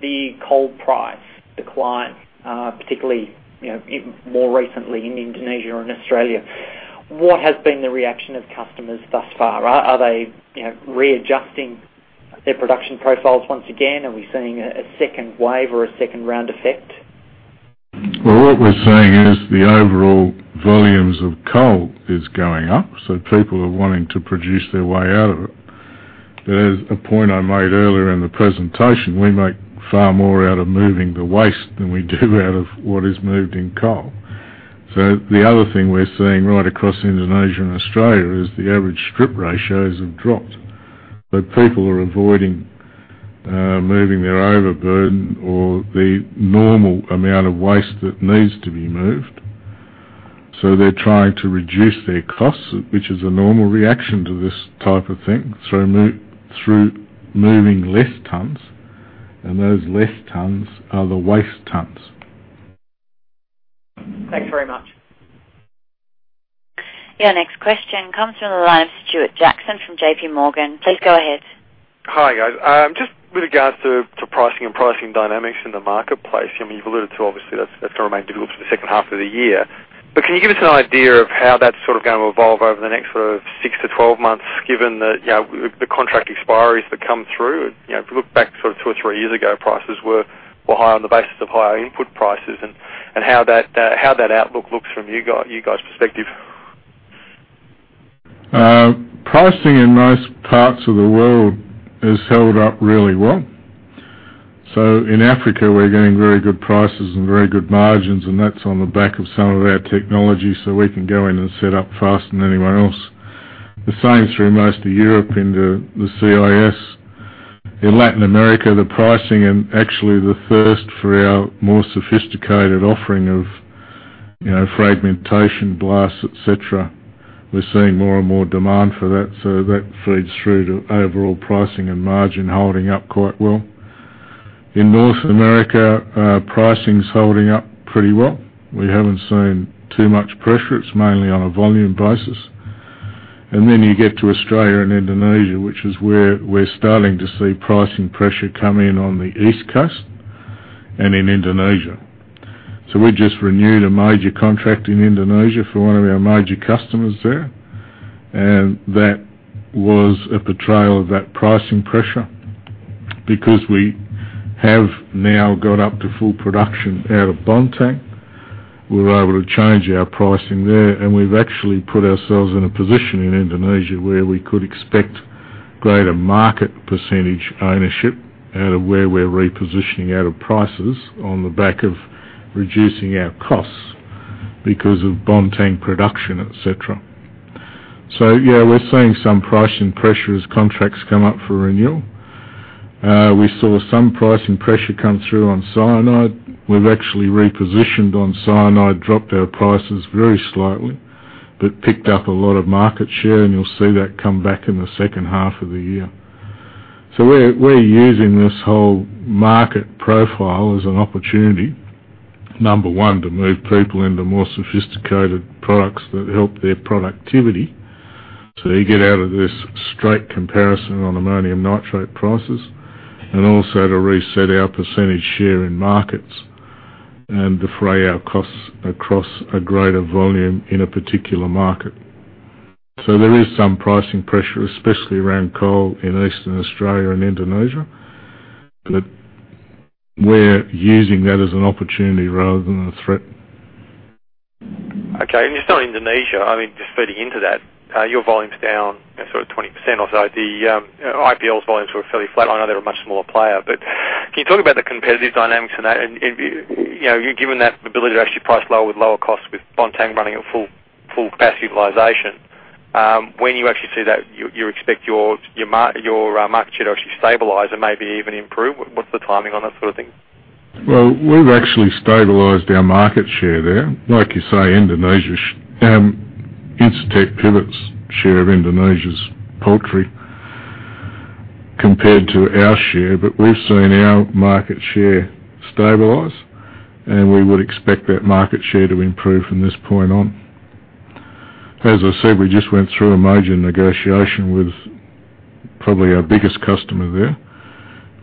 the coal price decline, particularly, more recently in Indonesia and Australia, what has been the reaction of customers thus far? Are they readjusting their production profiles once again? Are we seeing a second wave or a second round effect? What we're seeing is the overall volumes of coal is going up, so people are wanting to produce their way out of it. As a point I made earlier in the presentation, we make far more out of moving the waste than we do out of what is moved in coal. The other thing we're seeing right across Indonesia and Australia is the average strip ratios have dropped, but people are avoiding moving their overburden or the normal amount of waste that needs to be moved. They're trying to reduce their costs, which is a normal reaction to this type of thing, through moving less tons, and those less tons are the waste tons. Thanks very much. Your next question comes from the line of Stuart Jackson from J.P. Morgan. Please go ahead. Hi, guys. Just with regards to pricing and pricing dynamics in the marketplace, you've alluded to, obviously, that's going to remain difficult for the second half of the year. Can you give us an idea of how that's sort of going to evolve over the next sort of 6 to 12 months, given that the contract expiries that come through? If we look back sort of two or three years ago, prices were higher on the basis of higher input prices and how that outlook looks from you guys' perspective. Pricing in most parts of the world has held up really well. In Africa, we're getting very good prices and very good margins, and that's on the back of some of our technology, so we can go in and set up faster than anyone else. The same through most of Europe into the CIS. In Latin America, the pricing and actually the thirst for our more sophisticated offering of fragmentation blasts, et cetera. We're seeing more and more demand for that. That feeds through to overall pricing and margin holding up quite well. In North America, pricing's holding up pretty well. We haven't seen too much pressure. It's mainly on a volume basis. You get to Australia and Indonesia, which is where we're starting to see pricing pressure come in on the East Coast and in Indonesia. We just renewed a major contract in Indonesia for one of our major customers there, and that was at the trail of that pricing pressure. Because we have now got up to full production out of Bontang, we were able to change our pricing there, and we've actually put ourselves in a position in Indonesia where we could expect greater market percentage ownership out of where we're repositioning out of prices on the back of reducing our costs because of Bontang production, et cetera. Yeah, we're seeing some pricing pressure as contracts come up for renewal. We saw some pricing pressure come through on cyanide. We've actually repositioned on cyanide, dropped our prices very slightly, picked up a lot of market share, and you'll see that come back in the second half of the year. We're using this whole market profile as an opportunity, number one, to move people into more sophisticated products that help their productivity. You get out of this straight comparison on ammonium nitrate prices, and also to reset our percentage share in markets and to fray our costs across a greater volume in a particular market. There is some pricing pressure, especially around coal in Eastern Australia and Indonesia. We're using that as an opportunity rather than a threat. Okay, just on Indonesia, just feeding into that, your volume's down sort of 20% or so. The IPL's volumes were fairly flat. I know they're a much smaller player, but can you talk about the competitive dynamics in that? Given that ability to actually price lower with lower costs with Bontang running at full capacity utilization, when you actually see that, you expect your market share to actually stabilize or maybe even improve? What's the timing on that sort of thing? Well, we've actually stabilized our market share there. Like you say, Incitec Pivot's share of Indonesia's portfolio compared to our share, we've seen our market share stabilize, and we would expect that market share to improve from this point on. As I said, we just went through a major negotiation with probably our biggest customer there,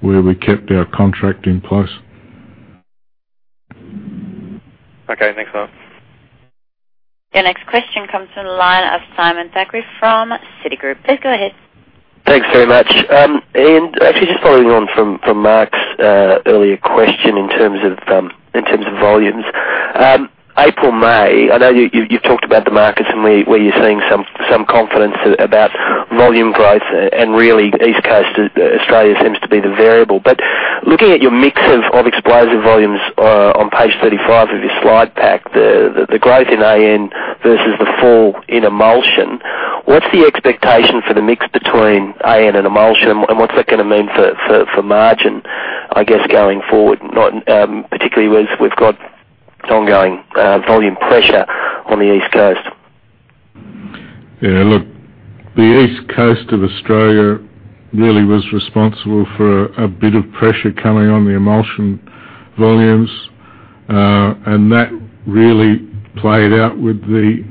where we kept our contract in place. Okay. Thanks, Mark. Your next question comes from the line of Simon Thackray from Citigroup. Please go ahead. Thanks very much. Ian, actually just following on from Mark's earlier question in terms of volumes. April, May, I know you've talked about the markets and where you're seeing some confidence about volume growth and really East Coast Australia seems to be the variable. Looking at your mix of explosive volumes on page 35 of your slide pack, the growth in AN versus the fall in emulsion. What's the expectation for the mix between AN and emulsion? What's that gonna mean for margin, I guess, going forward? Particularly as we've got ongoing volume pressure on the East Coast. Yeah, look, the East Coast of Australia really was responsible for a bit of pressure coming on the emulsion volumes. That really played out with the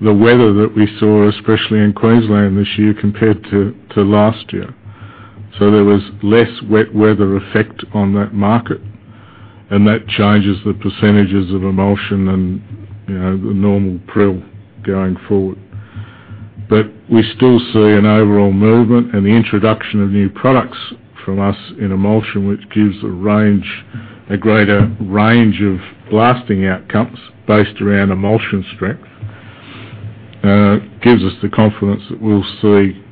weather that we saw, especially in Queensland this year compared to last year. There was less wet weather effect on that market, and that changes the percentages of emulsion and the normal prill going forward. We still see an overall movement and the introduction of new products from us in emulsion, which gives a greater range of blasting outcomes based around emulsion strength. Gives us the confidence that we'll see emulsion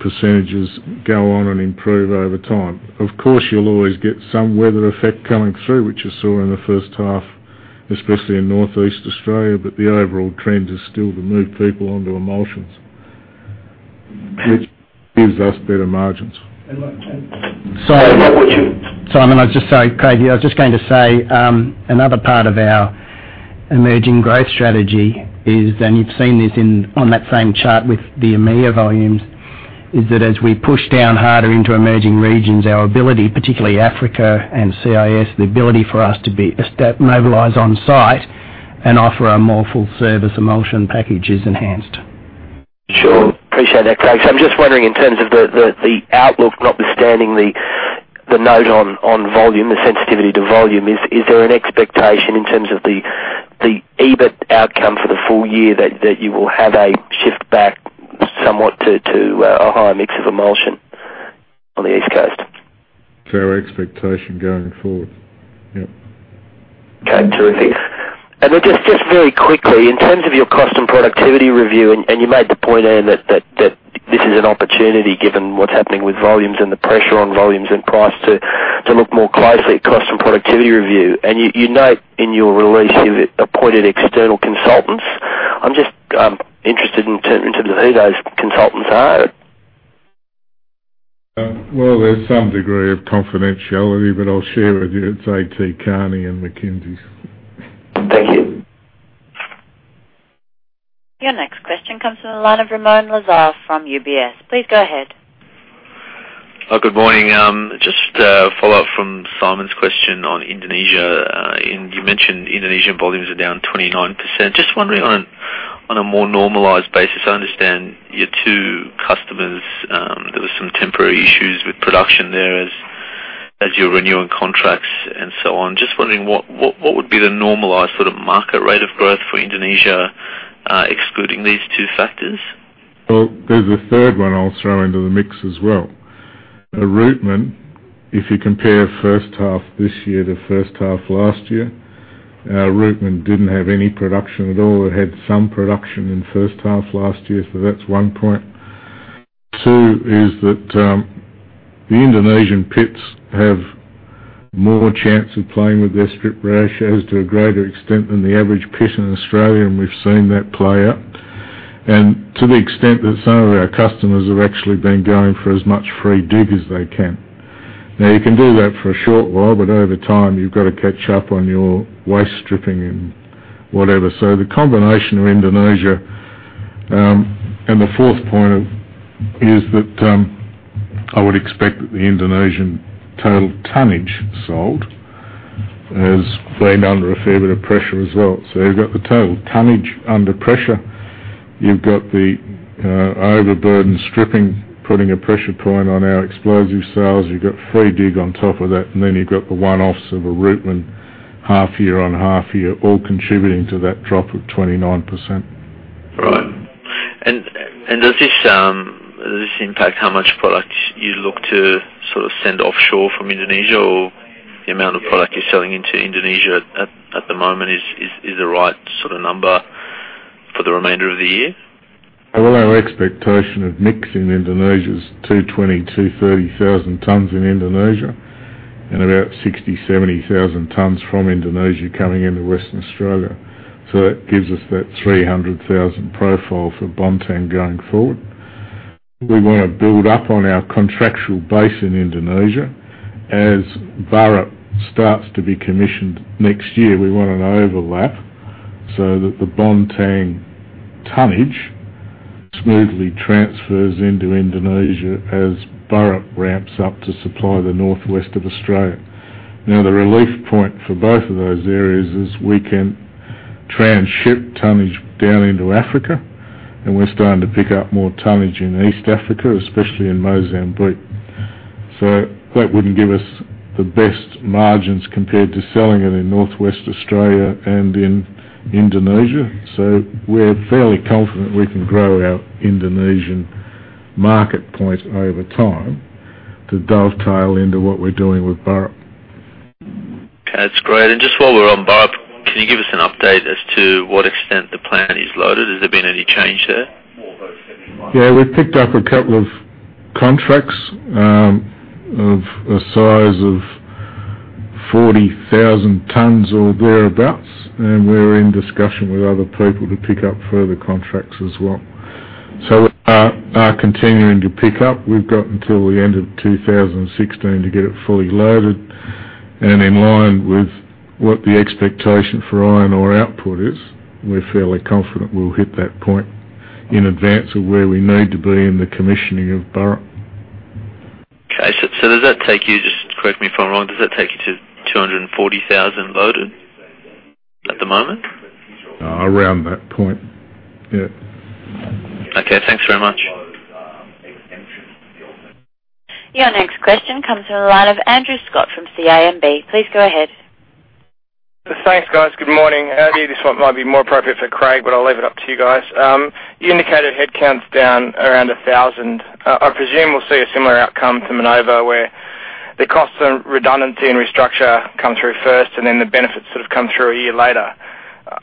percentages go on and improve over time. Of course, you'll always get some weather effect coming through, which you saw in the first half, especially in Northeast Australia, but the overall trend is still to move people onto emulsions, which gives us better margins. Simon, I was just saying, Craig here. I was just going to say, another part of our emerging growth strategy is, you've seen this on that same chart with the EMEA volumes, is that as we push down harder into emerging regions, our ability, particularly Africa and CIS, the ability for us to mobilize on site and offer a more full-service emulsion package is enhanced. Appreciate that, Craig. I'm just wondering in terms of the outlook, notwithstanding the note on volume, the sensitivity to volume, is there an expectation in terms of the EBIT outcome for the full year that you will have a shift back somewhat to a higher mix of emulsion on the East Coast? It's our expectation going forward. Yep. Okay, terrific. Then just very quickly, in terms of your cost and productivity review, you made the point, Ian, that this is an opportunity given what's happening with volumes and the pressure on volumes and price to look more closely at cost and productivity review. You note in your release you've appointed external consultants. I'm just interested in terms of who those consultants are? There's some degree of confidentiality, I'll share with you, it's A.T. Kearney and McKinsey. Thank you. Your next question comes from the line of Ramoun Lazar from UBS. Please go ahead. Good morning. Just a follow-up from Simon's question on Indonesia. Ian, you mentioned Indonesian volumes are down 29%. Just wondering on a more normalized basis, I understand your two customers, there was some temporary issues with production there as you are renewing contracts and so on. Just wondering what would be the normalized sort of market rate of growth for Indonesia excluding these two factors? There's a third one I will throw into the mix as well. Bontang, if you compare first half this year to first half last year, Bontang did not have any production at all. It had some production in the first half last year. That's one point. Two is that the Indonesian pits have more chance of playing with their strip ratio as to a greater extent than the average pit in Australia, and we have seen that play out. To the extent that some of our customers have actually been going for as much free dig as they can. You can do that for a short while, but over time, you have got to catch up on your waste stripping and whatever. The combination of Indonesia. The fourth point is that I would expect that the Indonesian total tonnage sold has been under a fair bit of pressure as well. You've got the total tonnage under pressure. You've got the overburden stripping putting a pressure point on our explosive sales. You've got free dig on top of that, and then you've got the one-offs of Bontang half year on half year, all contributing to that drop of 29%. Right. Does this impact how much product you look to sort of send offshore from Indonesia or the amount of product you're selling into Indonesia at the moment is the right sort of number for the remainder of the year? Well, our expectation of mix in Indonesia is 220,000-230,000 tons in Indonesia, and about 60,000-70,000 tons from Indonesia coming into Western Australia. That gives us that 300,000 profile for Bontang going forward. We want to build up on our contractual base in Indonesia. As Burrup starts to be commissioned next year, we want an overlap so that the Bontang tonnage smoothly transfers into Indonesia as Burrup ramps up to supply the northwest of Australia. The relief point for both of those areas is we can transship tonnage down into Africa, and we're starting to pick up more tonnage in East Africa, especially in Mozambique. That wouldn't give us the best margins compared to selling it in northwest Australia and in Indonesia. We're fairly confident we can grow our Indonesian market point over time to dovetail into what we're doing with Burrup. Okay, that is great. Just while we are on Burrup, can you give us an update as to what extent the plant is loaded? Has there been any change there? Yeah, we have picked up a couple of contracts of a size of 40,000 tons or thereabouts. We are in discussion with other people to pick up further contracts as well. Are continuing to pick up. We have got until the end of 2016 to get it fully loaded and in line with what the expectation for iron ore output is. We are fairly confident we will hit that point in advance of where we need to be in the commissioning of Burrup. Okay. Does that take you, just correct me if I am wrong, does that take you to 240,000 loaded at the moment? Around that point. Yeah. Okay. Thanks very much. Your next question comes from the line of Andrew Scott from CIMB. Please go ahead. Thanks, guys. Good morning. Ian, this one might be more appropriate for Craig, but I'll leave it up to you guys. You indicated headcount's down around 1,000. I presume we'll see a similar outcome to Minova where the costs of redundancy and restructure come through first, then the benefits sort of come through a year later.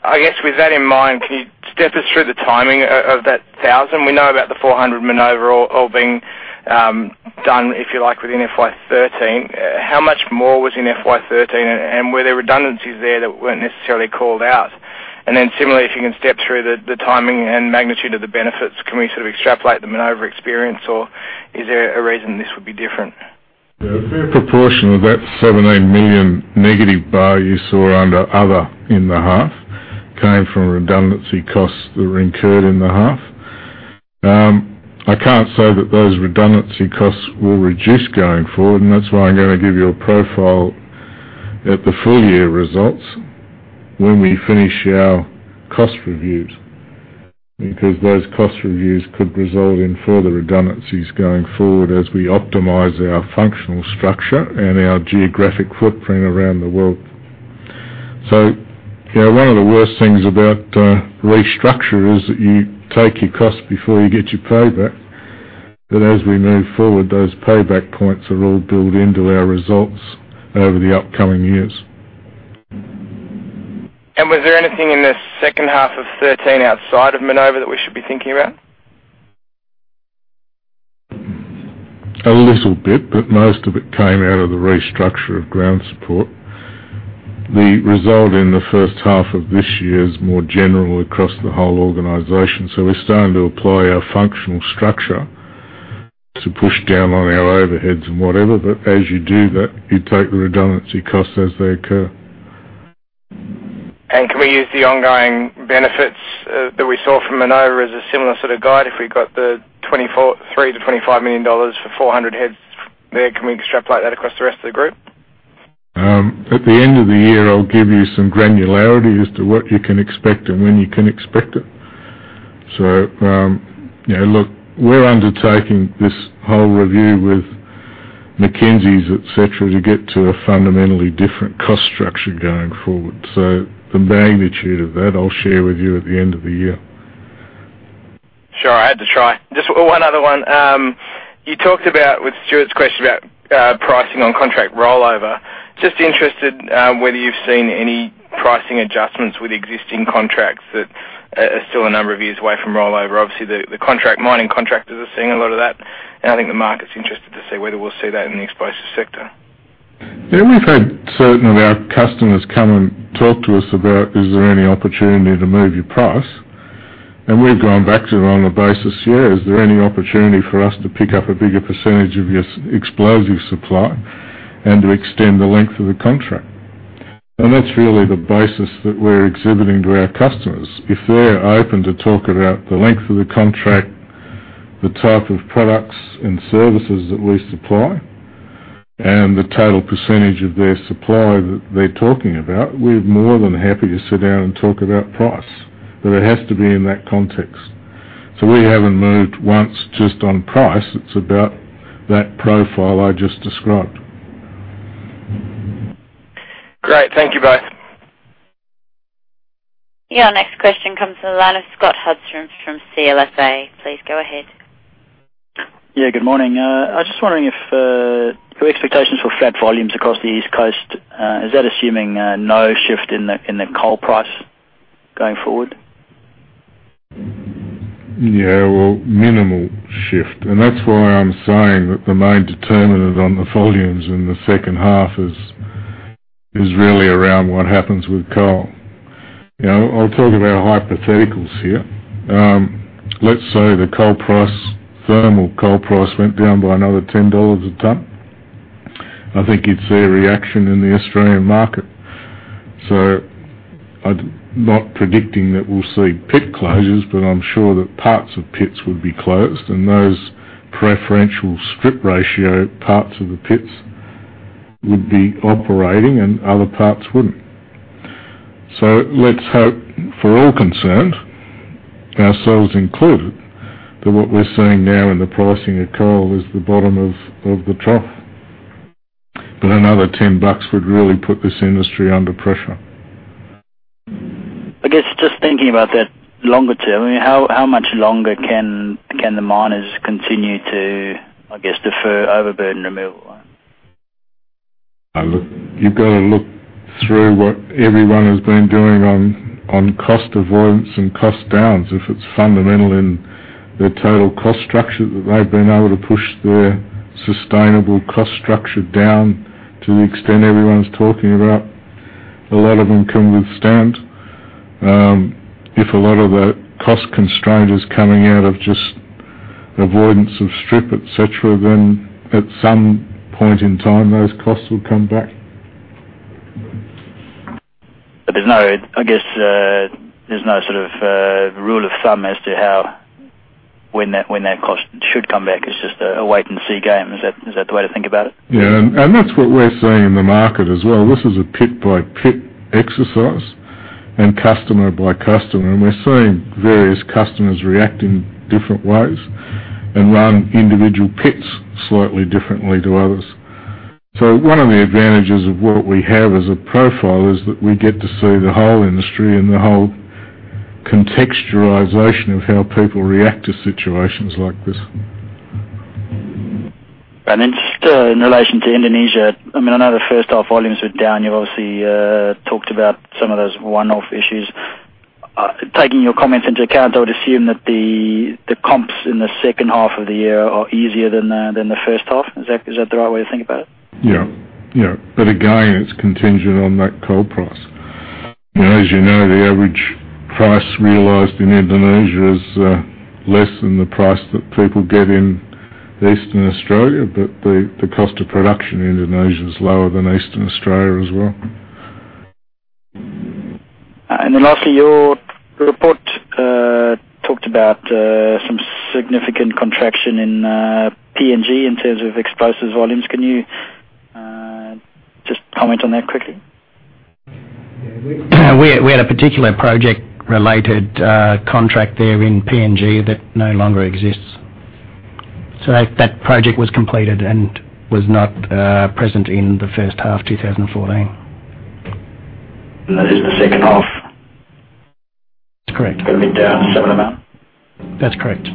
I guess with that in mind, can you step us through the timing of that 1,000? We know about the 400 Minova all being done, if you like, within FY 2013. How much more was in FY 2013? Were there redundancies there that weren't necessarily called out? Then similarly, if you can step through the timing and magnitude of the benefits, can we sort of extrapolate the Minova experience, or is there a reason this would be different? Yeah. A fair proportion of that 17 million negative BAR you saw under "other" in the half came from redundancy costs that were incurred in the half. I can't say that those redundancy costs will reduce going forward, that's why I'm going to give you a profile at the full year results when we finish our cost reviews. Those cost reviews could result in further redundancies going forward as we optimize our functional structure and our geographic footprint around the world. Yeah, one of the worst things about restructure is that you take your cost before you get your payback. As we move forward, those payback points will all build into our results over the upcoming years. Was there anything in the second half of 2013 outside of Minova that we should be thinking about? A little bit, but most of it came out of the restructure of ground support. The result in the first half of this year is more general across the whole organization. We're starting to apply our functional structure to push down on our overheads and whatever. As you do that, you take the redundancy costs as they occur. Can we use the ongoing benefits that we saw from Minova as a similar sort of guide? If we got the 23 million-25 million dollars for 400 heads there, can we extrapolate that across the rest of the group? At the end of the year, I'll give you some granularity as to what you can expect and when you can expect it. Look, we're undertaking this whole review with McKinsey, et cetera, to get to a fundamentally different cost structure going forward. The magnitude of that, I'll share with you at the end of the year. Sure. I had to try. Just one other one. You talked about, with Stuart's question, about pricing on contract rollover. Just interested whether you've seen any pricing adjustments with existing contracts that are still a number of years away from rollover. Obviously, the mining contractors are seeing a lot of that, and I think the market's interested to see whether we'll see that in the explosives sector. Yeah, we've had certain of our customers come and talk to us about, "Is there any opportunity to move your price?" We've gone back to them on the basis, "Yeah. Is there any opportunity for us to pick up a bigger percentage of your explosive supply and to extend the length of the contract?" That's really the basis that we're exhibiting to our customers. If they're open to talk about the length of the contract, the type of products and services that we supply, and the total percentage of their supply that they're talking about, we're more than happy to sit down and talk about price. It has to be in that context. We haven't moved once just on price. It's about that profile I just described. Great. Thank you both. Yeah. Next question comes to the line of Scott Hudson from CLSA. Please go ahead. Yeah, good morning. I was just wondering if your expectations for flat volumes across the East Coast, is that assuming no shift in the coal price going forward? Yeah. Well, minimal shift. That's why I'm saying that the main determinant on the volumes in the second half is really around what happens with coal. I'll talk about hypotheticals here. Let's say the coal price, thermal coal price, went down by another 10 dollars a ton. I think you'd see a reaction in the Australian market. I'm not predicting that we'll see pit closures, but I'm sure that parts of pits would be closed, and those preferential strip ratio parts of the pits would be operating and other parts wouldn't. Let's hope for all concerned, ourselves included, that what we're seeing now in the pricing of coal is the bottom of the trough. Another 10 bucks would really put this industry under pressure. I guess just thinking about that longer term, how much longer can the miners continue to, I guess, defer overburden removal? Look, you've got to look through what everyone has been doing on cost avoidance and cost downs. If it's fundamental in their total cost structure that they've been able to push their sustainable cost structure down to the extent everyone's talking about, a lot of them can withstand. If a lot of that cost constraint is coming out of just avoidance of strip, et cetera, then at some point in time, those costs will come back. There's no, I guess, there's no sort of rule of thumb as to when that cost should come back. It's just a wait-and-see game. Is that the way to think about it? Yeah. That's what we're seeing in the market as well. This is a pit-by-pit exercise and customer by customer, and we're seeing various customers react in different ways and run individual pits slightly differently to others. One of the advantages of what we have as a profile is that we get to see the whole industry and the whole contextualization of how people react to situations like this. Just in relation to Indonesia, I know the first half volumes were down. You've obviously talked about some of those one-off issues. Taking your comments into account, I would assume that the comps in the second half of the year are easier than the first half. Is that the right way to think about it? Yeah. Again, it's contingent on that coal price. As you know, the average price realized in Indonesia is less than the price that people get in Eastern Australia, but the cost of production in Indonesia is lower than Eastern Australia as well. lastly, your report talked about some significant contraction in PNG in terms of explosives volumes. Can you just comment on that quickly? We had a particular project-related contract there in PNG that no longer exists. That project was completed and was not present in the first half 2014. That is the second half That's correct. Going to be down some amount? That's correct.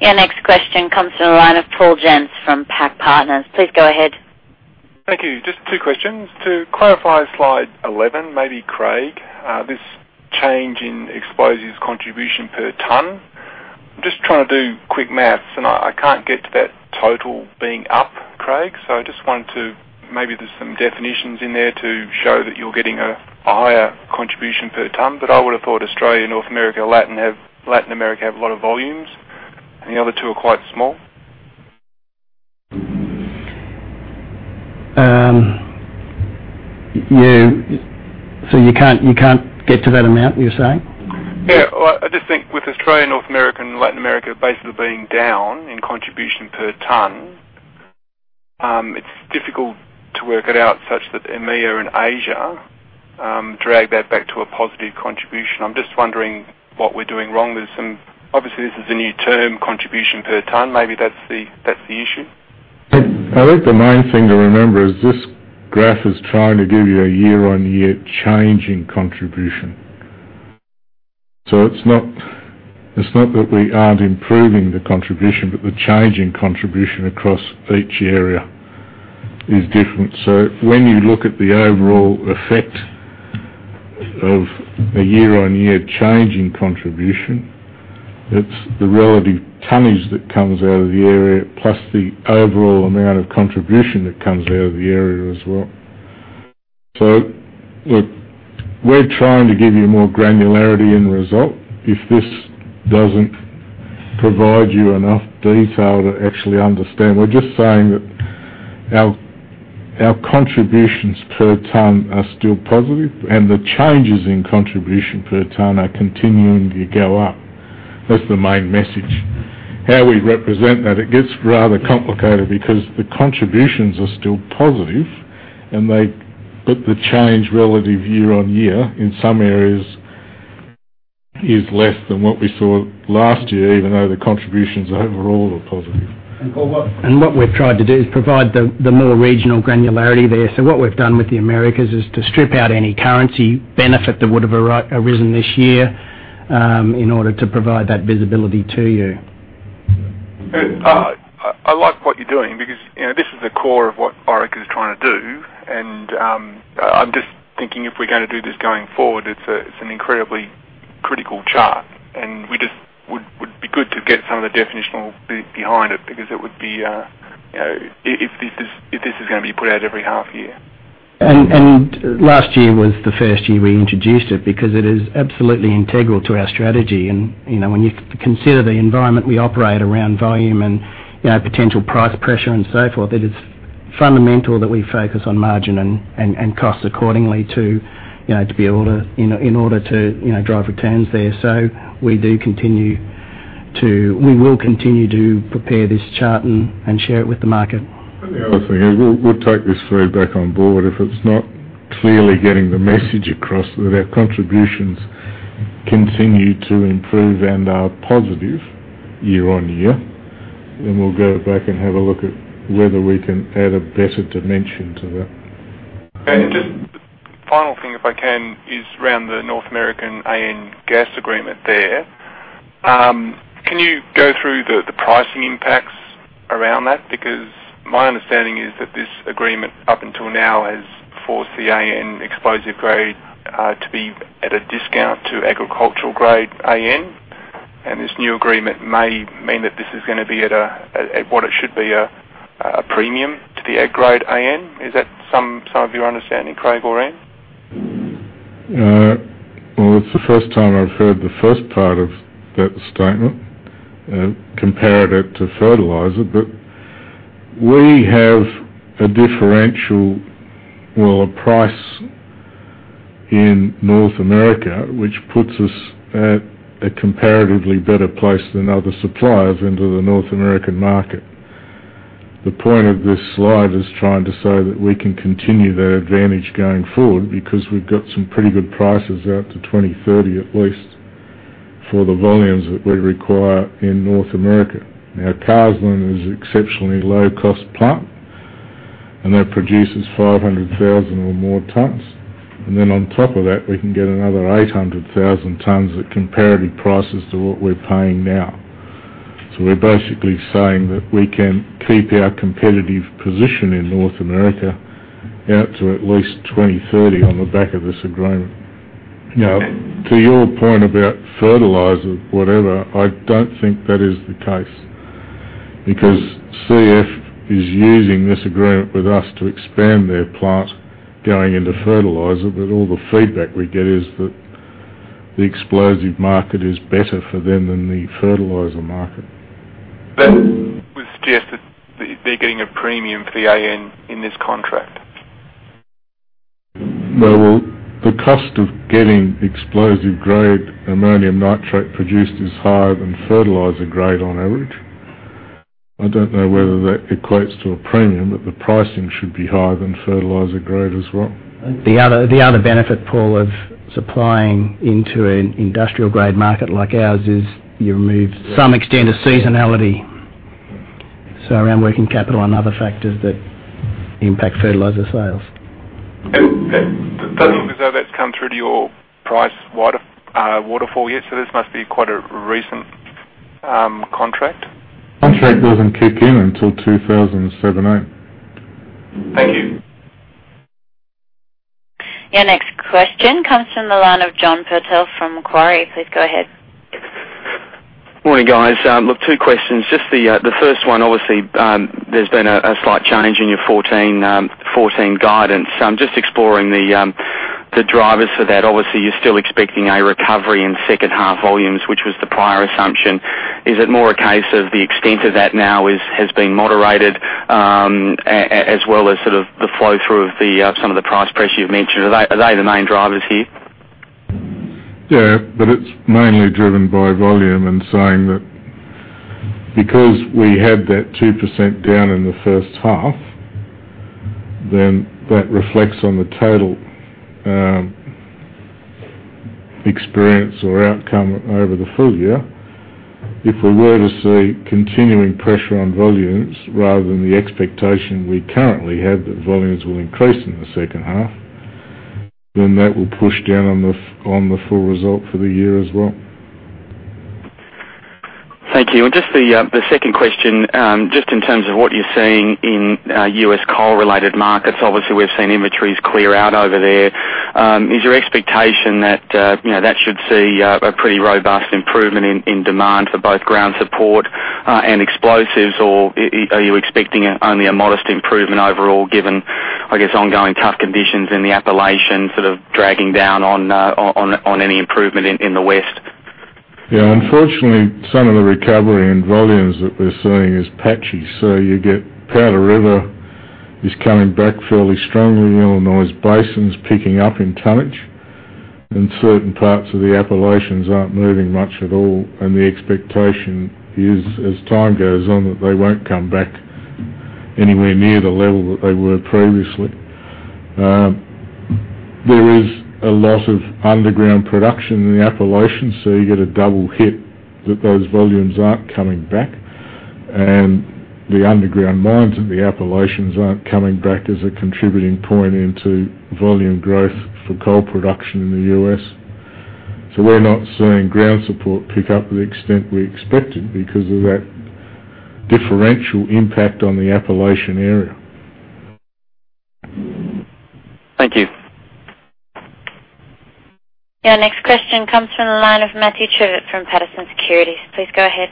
Your next question comes from the line of Paul Jensz from PAC Partners. Please go ahead. Thank you. Just two questions. To clarify slide 11, maybe Craig, this change in explosives contribution per ton. I'm just trying to do quick math, and I can't get to that total being up, Craig. Maybe there's some definitions in there to show that you're getting a higher contribution per ton. I would have thought Australia, North America, Latin America have a lot of volumes, and the other two are quite small. You can't get to that amount, you're saying? Yeah. I just think with Australia, North America, and Latin America basically being down in contribution per ton, it's difficult to work it out such that EMEA and Asia drag that back to a positive contribution. I'm just wondering what we're doing wrong. Obviously, this is a new term, contribution per ton. Maybe that's the issue. I think the main thing to remember is this graph is trying to give you a year-on-year change in contribution. It's not that we aren't improving the contribution, but the change in contribution across each area is different. When you look at the overall effect of a year-on-year change in contribution, it's the relative tonnage that comes out of the area, plus the overall amount of contribution that comes out of the area as well. Look, we're trying to give you more granularity in result. If this doesn't provide you enough detail to actually understand, we're just saying that our contributions per ton are still positive, and the changes in contribution per ton are continuing to go up. That's the main message. How we represent that, it gets rather complicated because the contributions are still positive, but the change relative year-on-year in some areas is less than what we saw last year, even though the contributions overall are positive. What we've tried to do is provide the more regional granularity there. What we've done with the Americas is to strip out any currency benefit that would have arisen this year in order to provide that visibility to you. I like what you're doing because this is the core of what Orica is trying to do. I'm just thinking if we're going to do this going forward, it's an incredibly critical chart, and it would be good to get some of the definitional bit behind it, because if this is going to be put out every half year. Last year was the first year we introduced it because it is absolutely integral to our strategy. When you consider the environment we operate around volume and potential price pressure and so forth, it is fundamental that we focus on margin and cost accordingly in order to drive returns there. We will continue to prepare this chart and share it with the market. The other thing is we'll take this feedback on board. If it's not clearly getting the message across that our contributions continue to improve and are positive year-on-year, we'll go back and have a look at whether we can add a better dimension to that. Just the final thing, if I can, is around the North American AN gas agreement there. Can you go through the pricing impacts around that? Because my understanding is that this agreement up until now has forced the AN explosive grade to be at a discount to agricultural grade AN, and this new agreement may mean that this is going to be at what it should be a premium to the ag grade AN. Is that some of your understanding, Craig or Ian? Well, it's the first time I've heard the first part of that statement, comparative to fertilizer. We have a differential price in North America, which puts us at a comparatively better place than other suppliers into the North American market. The point of this slide is trying to say that we can continue that advantage going forward because we've got some pretty good prices out to 2030, at least, for the volumes that we require in North America. Carseland is exceptionally low-cost plant, and that produces 500,000 or more tons. Then on top of that, we can get another 800,000 tons at comparative prices to what we're paying now. We're basically saying that we can keep our competitive position in North America out to at least 2030 on the back of this agreement. To your point about fertilizer, whatever, I don't think that is the case because CF is using this agreement with us to expand their plant going into fertilizer. All the feedback we get is that the explosive market is better for them than the fertilizer market. That would suggest that they're getting a premium for the AN in this contract. Well, the cost of getting explosive grade ammonium nitrate produced is higher than fertilizer grade on average. I don't know whether that equates to a premium, but the pricing should be higher than fertilizer grade as well. The other benefit, Paul, of supplying into an industrial grade market like ours is you remove some extent of seasonality around working capital and other factors that impact fertilizer sales. It doesn't look as though that's come through to your price waterfall yet, so this must be quite a recent contract? Contract doesn't kick in until 2017-2018. Thank you. Your next question comes from the line of John Purtell from Macquarie. Please go ahead. Morning, guys. Look, two questions. Just the first one, obviously, there has been a slight change in your 2014 guidance. I'm just exploring the drivers for that. Obviously, you are still expecting a recovery in second half volumes, which was the prior assumption. Is it more a case of the extent of that now has been moderated, as well as sort of the flow-through of some of the price pressure you have mentioned? Are they the main drivers here? It is mainly driven by volume and saying that because we had that 2% down in the first half, that reflects on the total experience or outcome over the full year. If we were to see continuing pressure on volumes rather than the expectation we currently have that volumes will increase in the second half, that will push down on the full result for the year as well. Thank you. Just the second question, just in terms of what you're seeing in U.S. coal-related markets. Obviously, we've seen inventories clear out over there. Is your expectation that should see a pretty robust improvement in demand for both ground support and explosives? Or are you expecting only a modest improvement overall, given, I guess, ongoing tough conditions in the Appalachian sort of dragging down on any improvement in the West? Yeah, unfortunately, some of the recovery in volumes that we're seeing is patchy. You get Powder River is coming back fairly strongly. Illinois Basin's picking up in tonnage, certain parts of the Appalachians aren't moving much at all. The expectation is, as time goes on, that they won't come back anywhere near the level that they were previously. There is a lot of underground production in the Appalachians, you get a double hit that those volumes aren't coming back. The underground mines in the Appalachians aren't coming back as a contributing point into volume growth for coal production in the U.S. We're not seeing ground support pick up to the extent we expected because of that differential impact on the Appalachian area. Thank you. Your next question comes from the line of Matthew Trivett from Patersons Securities. Please go ahead.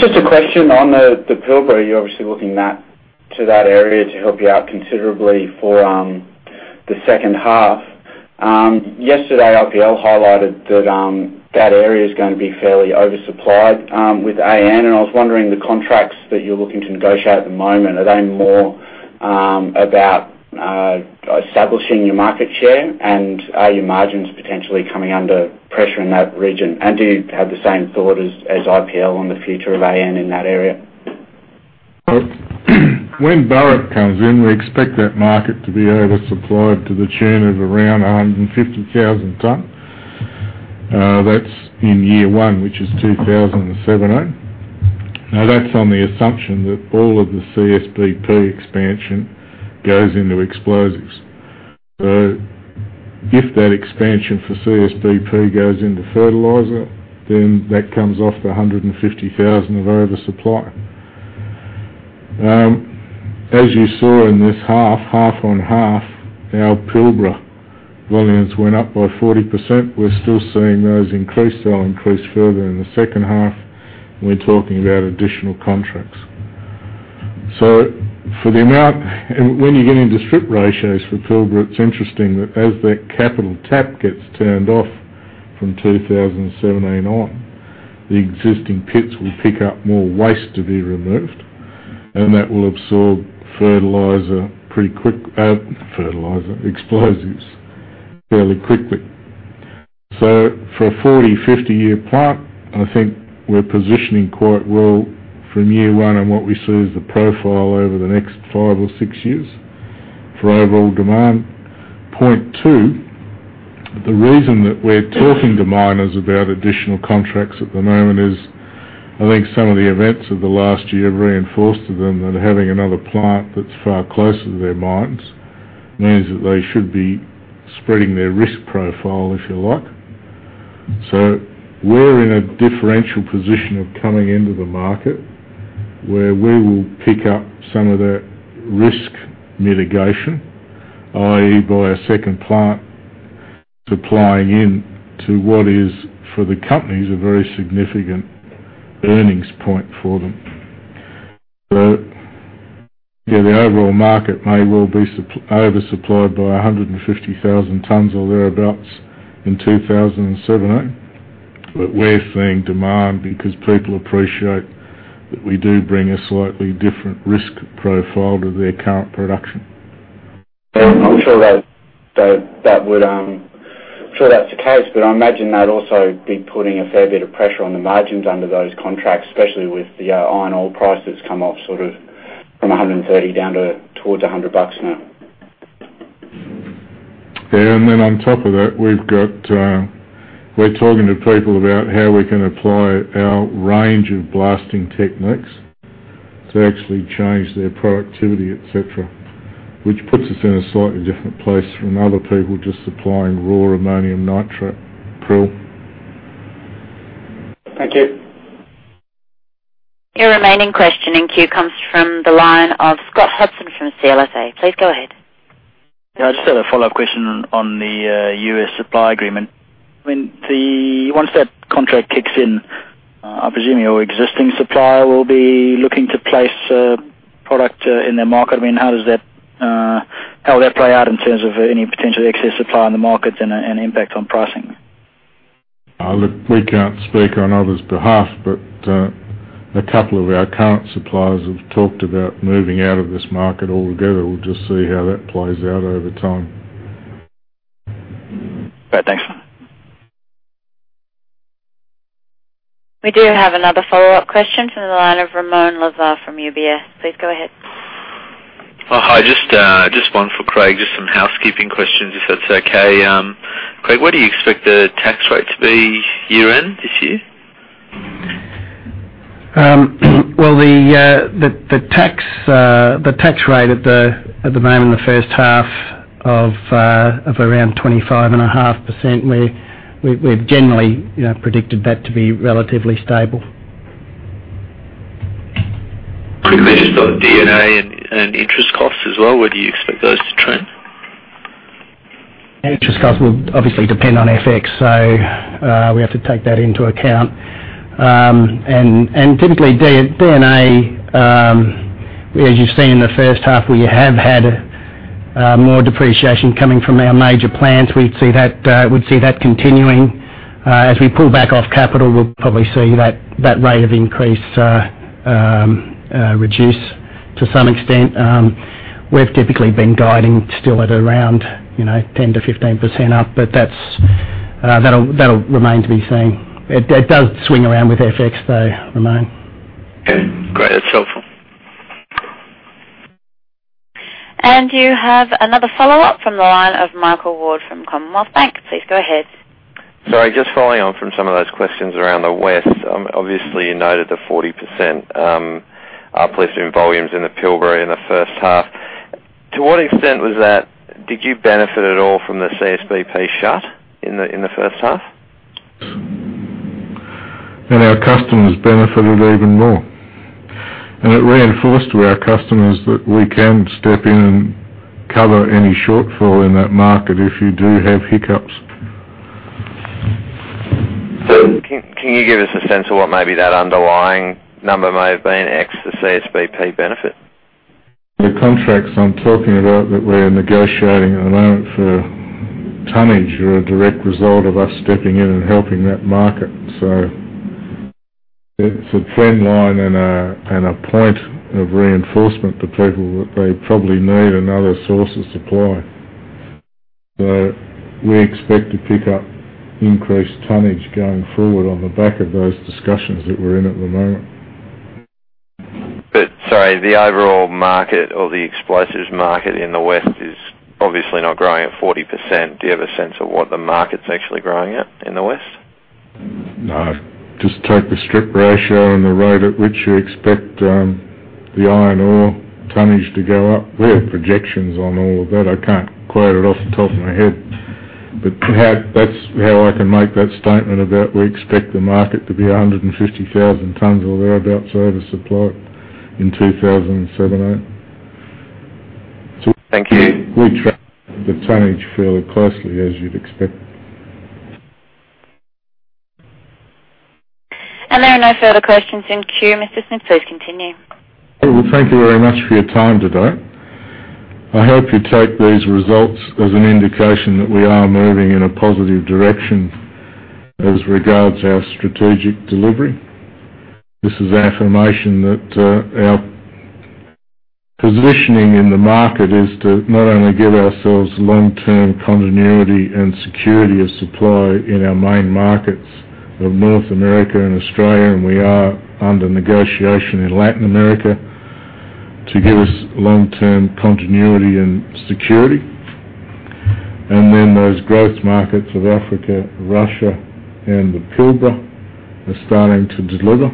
Just a question on the Pilbara. You're obviously looking to that area to help you out considerably for the second half. Yesterday, Incitec Pivot Limited highlighted that that area is going to be fairly oversupplied with AN, I was wondering, the contracts that you're looking to negotiate at the moment, are they more about establishing your market share, and are your margins potentially coming under pressure in that region? Do you have the same thought as Incitec Pivot Limited on the future of AN in that area? When Burrup comes in, we expect that market to be oversupplied to the tune of around 150,000 tons. That's in year one, which is 2017-2018. That's on the assumption that all of the CSBP expansion goes into explosives. If that expansion for CSBP goes into fertilizer, then that comes off the 150,000 of oversupply. As you saw in this half-on-half, our Pilbara volumes went up by 40%. We're still seeing those increase. They'll increase further in the second half. We're talking about additional contracts. When you get into strip ratios for Pilbara, it's interesting that as that capital tap gets turned off from 2017-2018 on, the existing pits will pick up more waste to be removed, and that will absorb explosives fairly quickly. For a 40, 50-year plant, I think we're positioning quite well from year one on what we see as the profile over the next five or six years for overall demand. Point 2, the reason that we're talking to miners about additional contracts at the moment is I think some of the events of the last year reinforced to them that having another plant that's far closer to their mines means that they should be spreading their risk profile, if you like. We're in a differential position of coming into the market where we will pick up some of that risk mitigation, i.e., by a second plant supplying in to what is, for the companies, a very significant earnings point for them. Yeah, the overall market may well be oversupplied by 150,000 tons or thereabouts in 2017-2018, but we're seeing demand because people appreciate that we do bring a slightly different risk profile to their current production. I'm sure that's the case, I imagine that'd also be putting a fair bit of pressure on the margins under those contracts, especially with the iron ore price that's come off sort of from 130 down towards 100 bucks now. On top of that, we're talking to people about how we can apply our range of blasting techniques to actually change their productivity, et cetera, which puts us in a slightly different place from other people just supplying raw ammonium nitrate prill. Thank you. Your remaining question in queue comes from the line of Scott Hudson from CLSA. Please go ahead. Yeah. I just had a follow-up question on the U.S. supply agreement. Once that contract kicks in, I'm presuming your existing supplier will be looking to place a product in their market. How will that play out in terms of any potential excess supply in the markets and impact on pricing? Look, we can't speak on others' behalf. A couple of our current suppliers have talked about moving out of this market altogether. We'll just see how that plays out over time. Great. Thanks. We do have another follow-up question from the line of Ramoun Lazar from UBS. Please go ahead. Oh, hi. Just one for Craig, just some housekeeping questions, if that's okay. Craig, what do you expect the tax rate to be year-end this year? Well, the tax rate at the moment in the first half of around 25.5%, we've generally predicted that to be relatively stable. When you mention D&A and interest costs as well, where do you expect those to trend? Interest costs will obviously depend on FX, so we have to take that into account. Typically, D&A, as you've seen in the first half, we have had more depreciation coming from our major plants. We'd see that continuing. As we pull back off capital, we'll probably see that rate of increase reduce to some extent. We've typically been guiding still at around 10%-15% up, but that'll remain to be seen. It does swing around with FX though, Ramon. Okay, great. That's helpful. You have another follow-up from the line of Michael Ward from Commonwealth Bank. Please go ahead. Sorry, just following on from some of those questions around the West. Obviously, you noted the 40% uplift in volumes in the Pilbara in the first half. To what extent did you benefit at all from the CSBP shut in the first half? Our customers benefited even more. It reinforced to our customers that we can step in and cover any shortfall in that market if you do have hiccups. Can you give us a sense of what maybe that underlying number may have been, ex the CSBP benefit? The contracts I'm talking about that we're negotiating at the moment for tonnage are a direct result of us stepping in and helping that market. It's a trend line and a point of reinforcement to people that they probably need another source of supply. We expect to pick up increased tonnage going forward on the back of those discussions that we're in at the moment. Sorry, the overall market or the explosives market in the West is obviously not growing at 40%. Do you have a sense of what the market's actually growing at in the West? No. Just take the strip ratio and the rate at which you expect the iron ore tonnage to go up. We have projections on all of that. I can't quote it off the top of my head. That's how I can make that statement about we expect the market to be 150,000 tons or thereabout, over supply in 2017. Thank you. We track the tonnage fairly closely, as you'd expect. There are no further questions in queue, Mr. Smith. Please continue. Thank you very much for your time today. I hope you take these results as an indication that we are moving in a positive direction as regards our strategic delivery. This is affirmation that our positioning in the market is to not only give ourselves long-term continuity and security of supply in our main markets of North America and Australia, and we are under negotiation in Latin America to give us long-term continuity and security. Those growth markets of Africa, Russia, and the Pilbara are starting to deliver.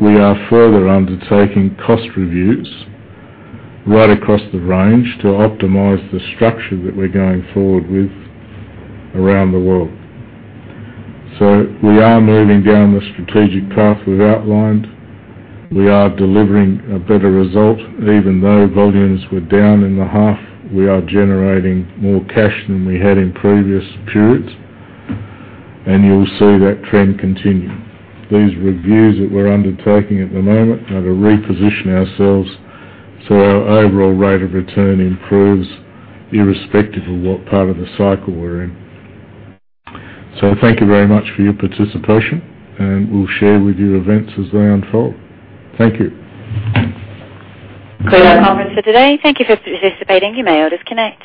We are further undertaking cost reviews right across the range to optimize the structure that we're going forward with around the world. We are moving down the strategic path we've outlined. We are delivering a better result. Even though volumes were down in the half, we are generating more cash than we had in previous periods. You'll see that trend continue. These reviews that we're undertaking at the moment are to reposition ourselves so our overall rate of return improves irrespective of what part of the cycle we're in. Thank you very much for your participation, and we'll share with you events as they unfold. Thank you. That's all for today. Thank you for participating. You may all disconnect.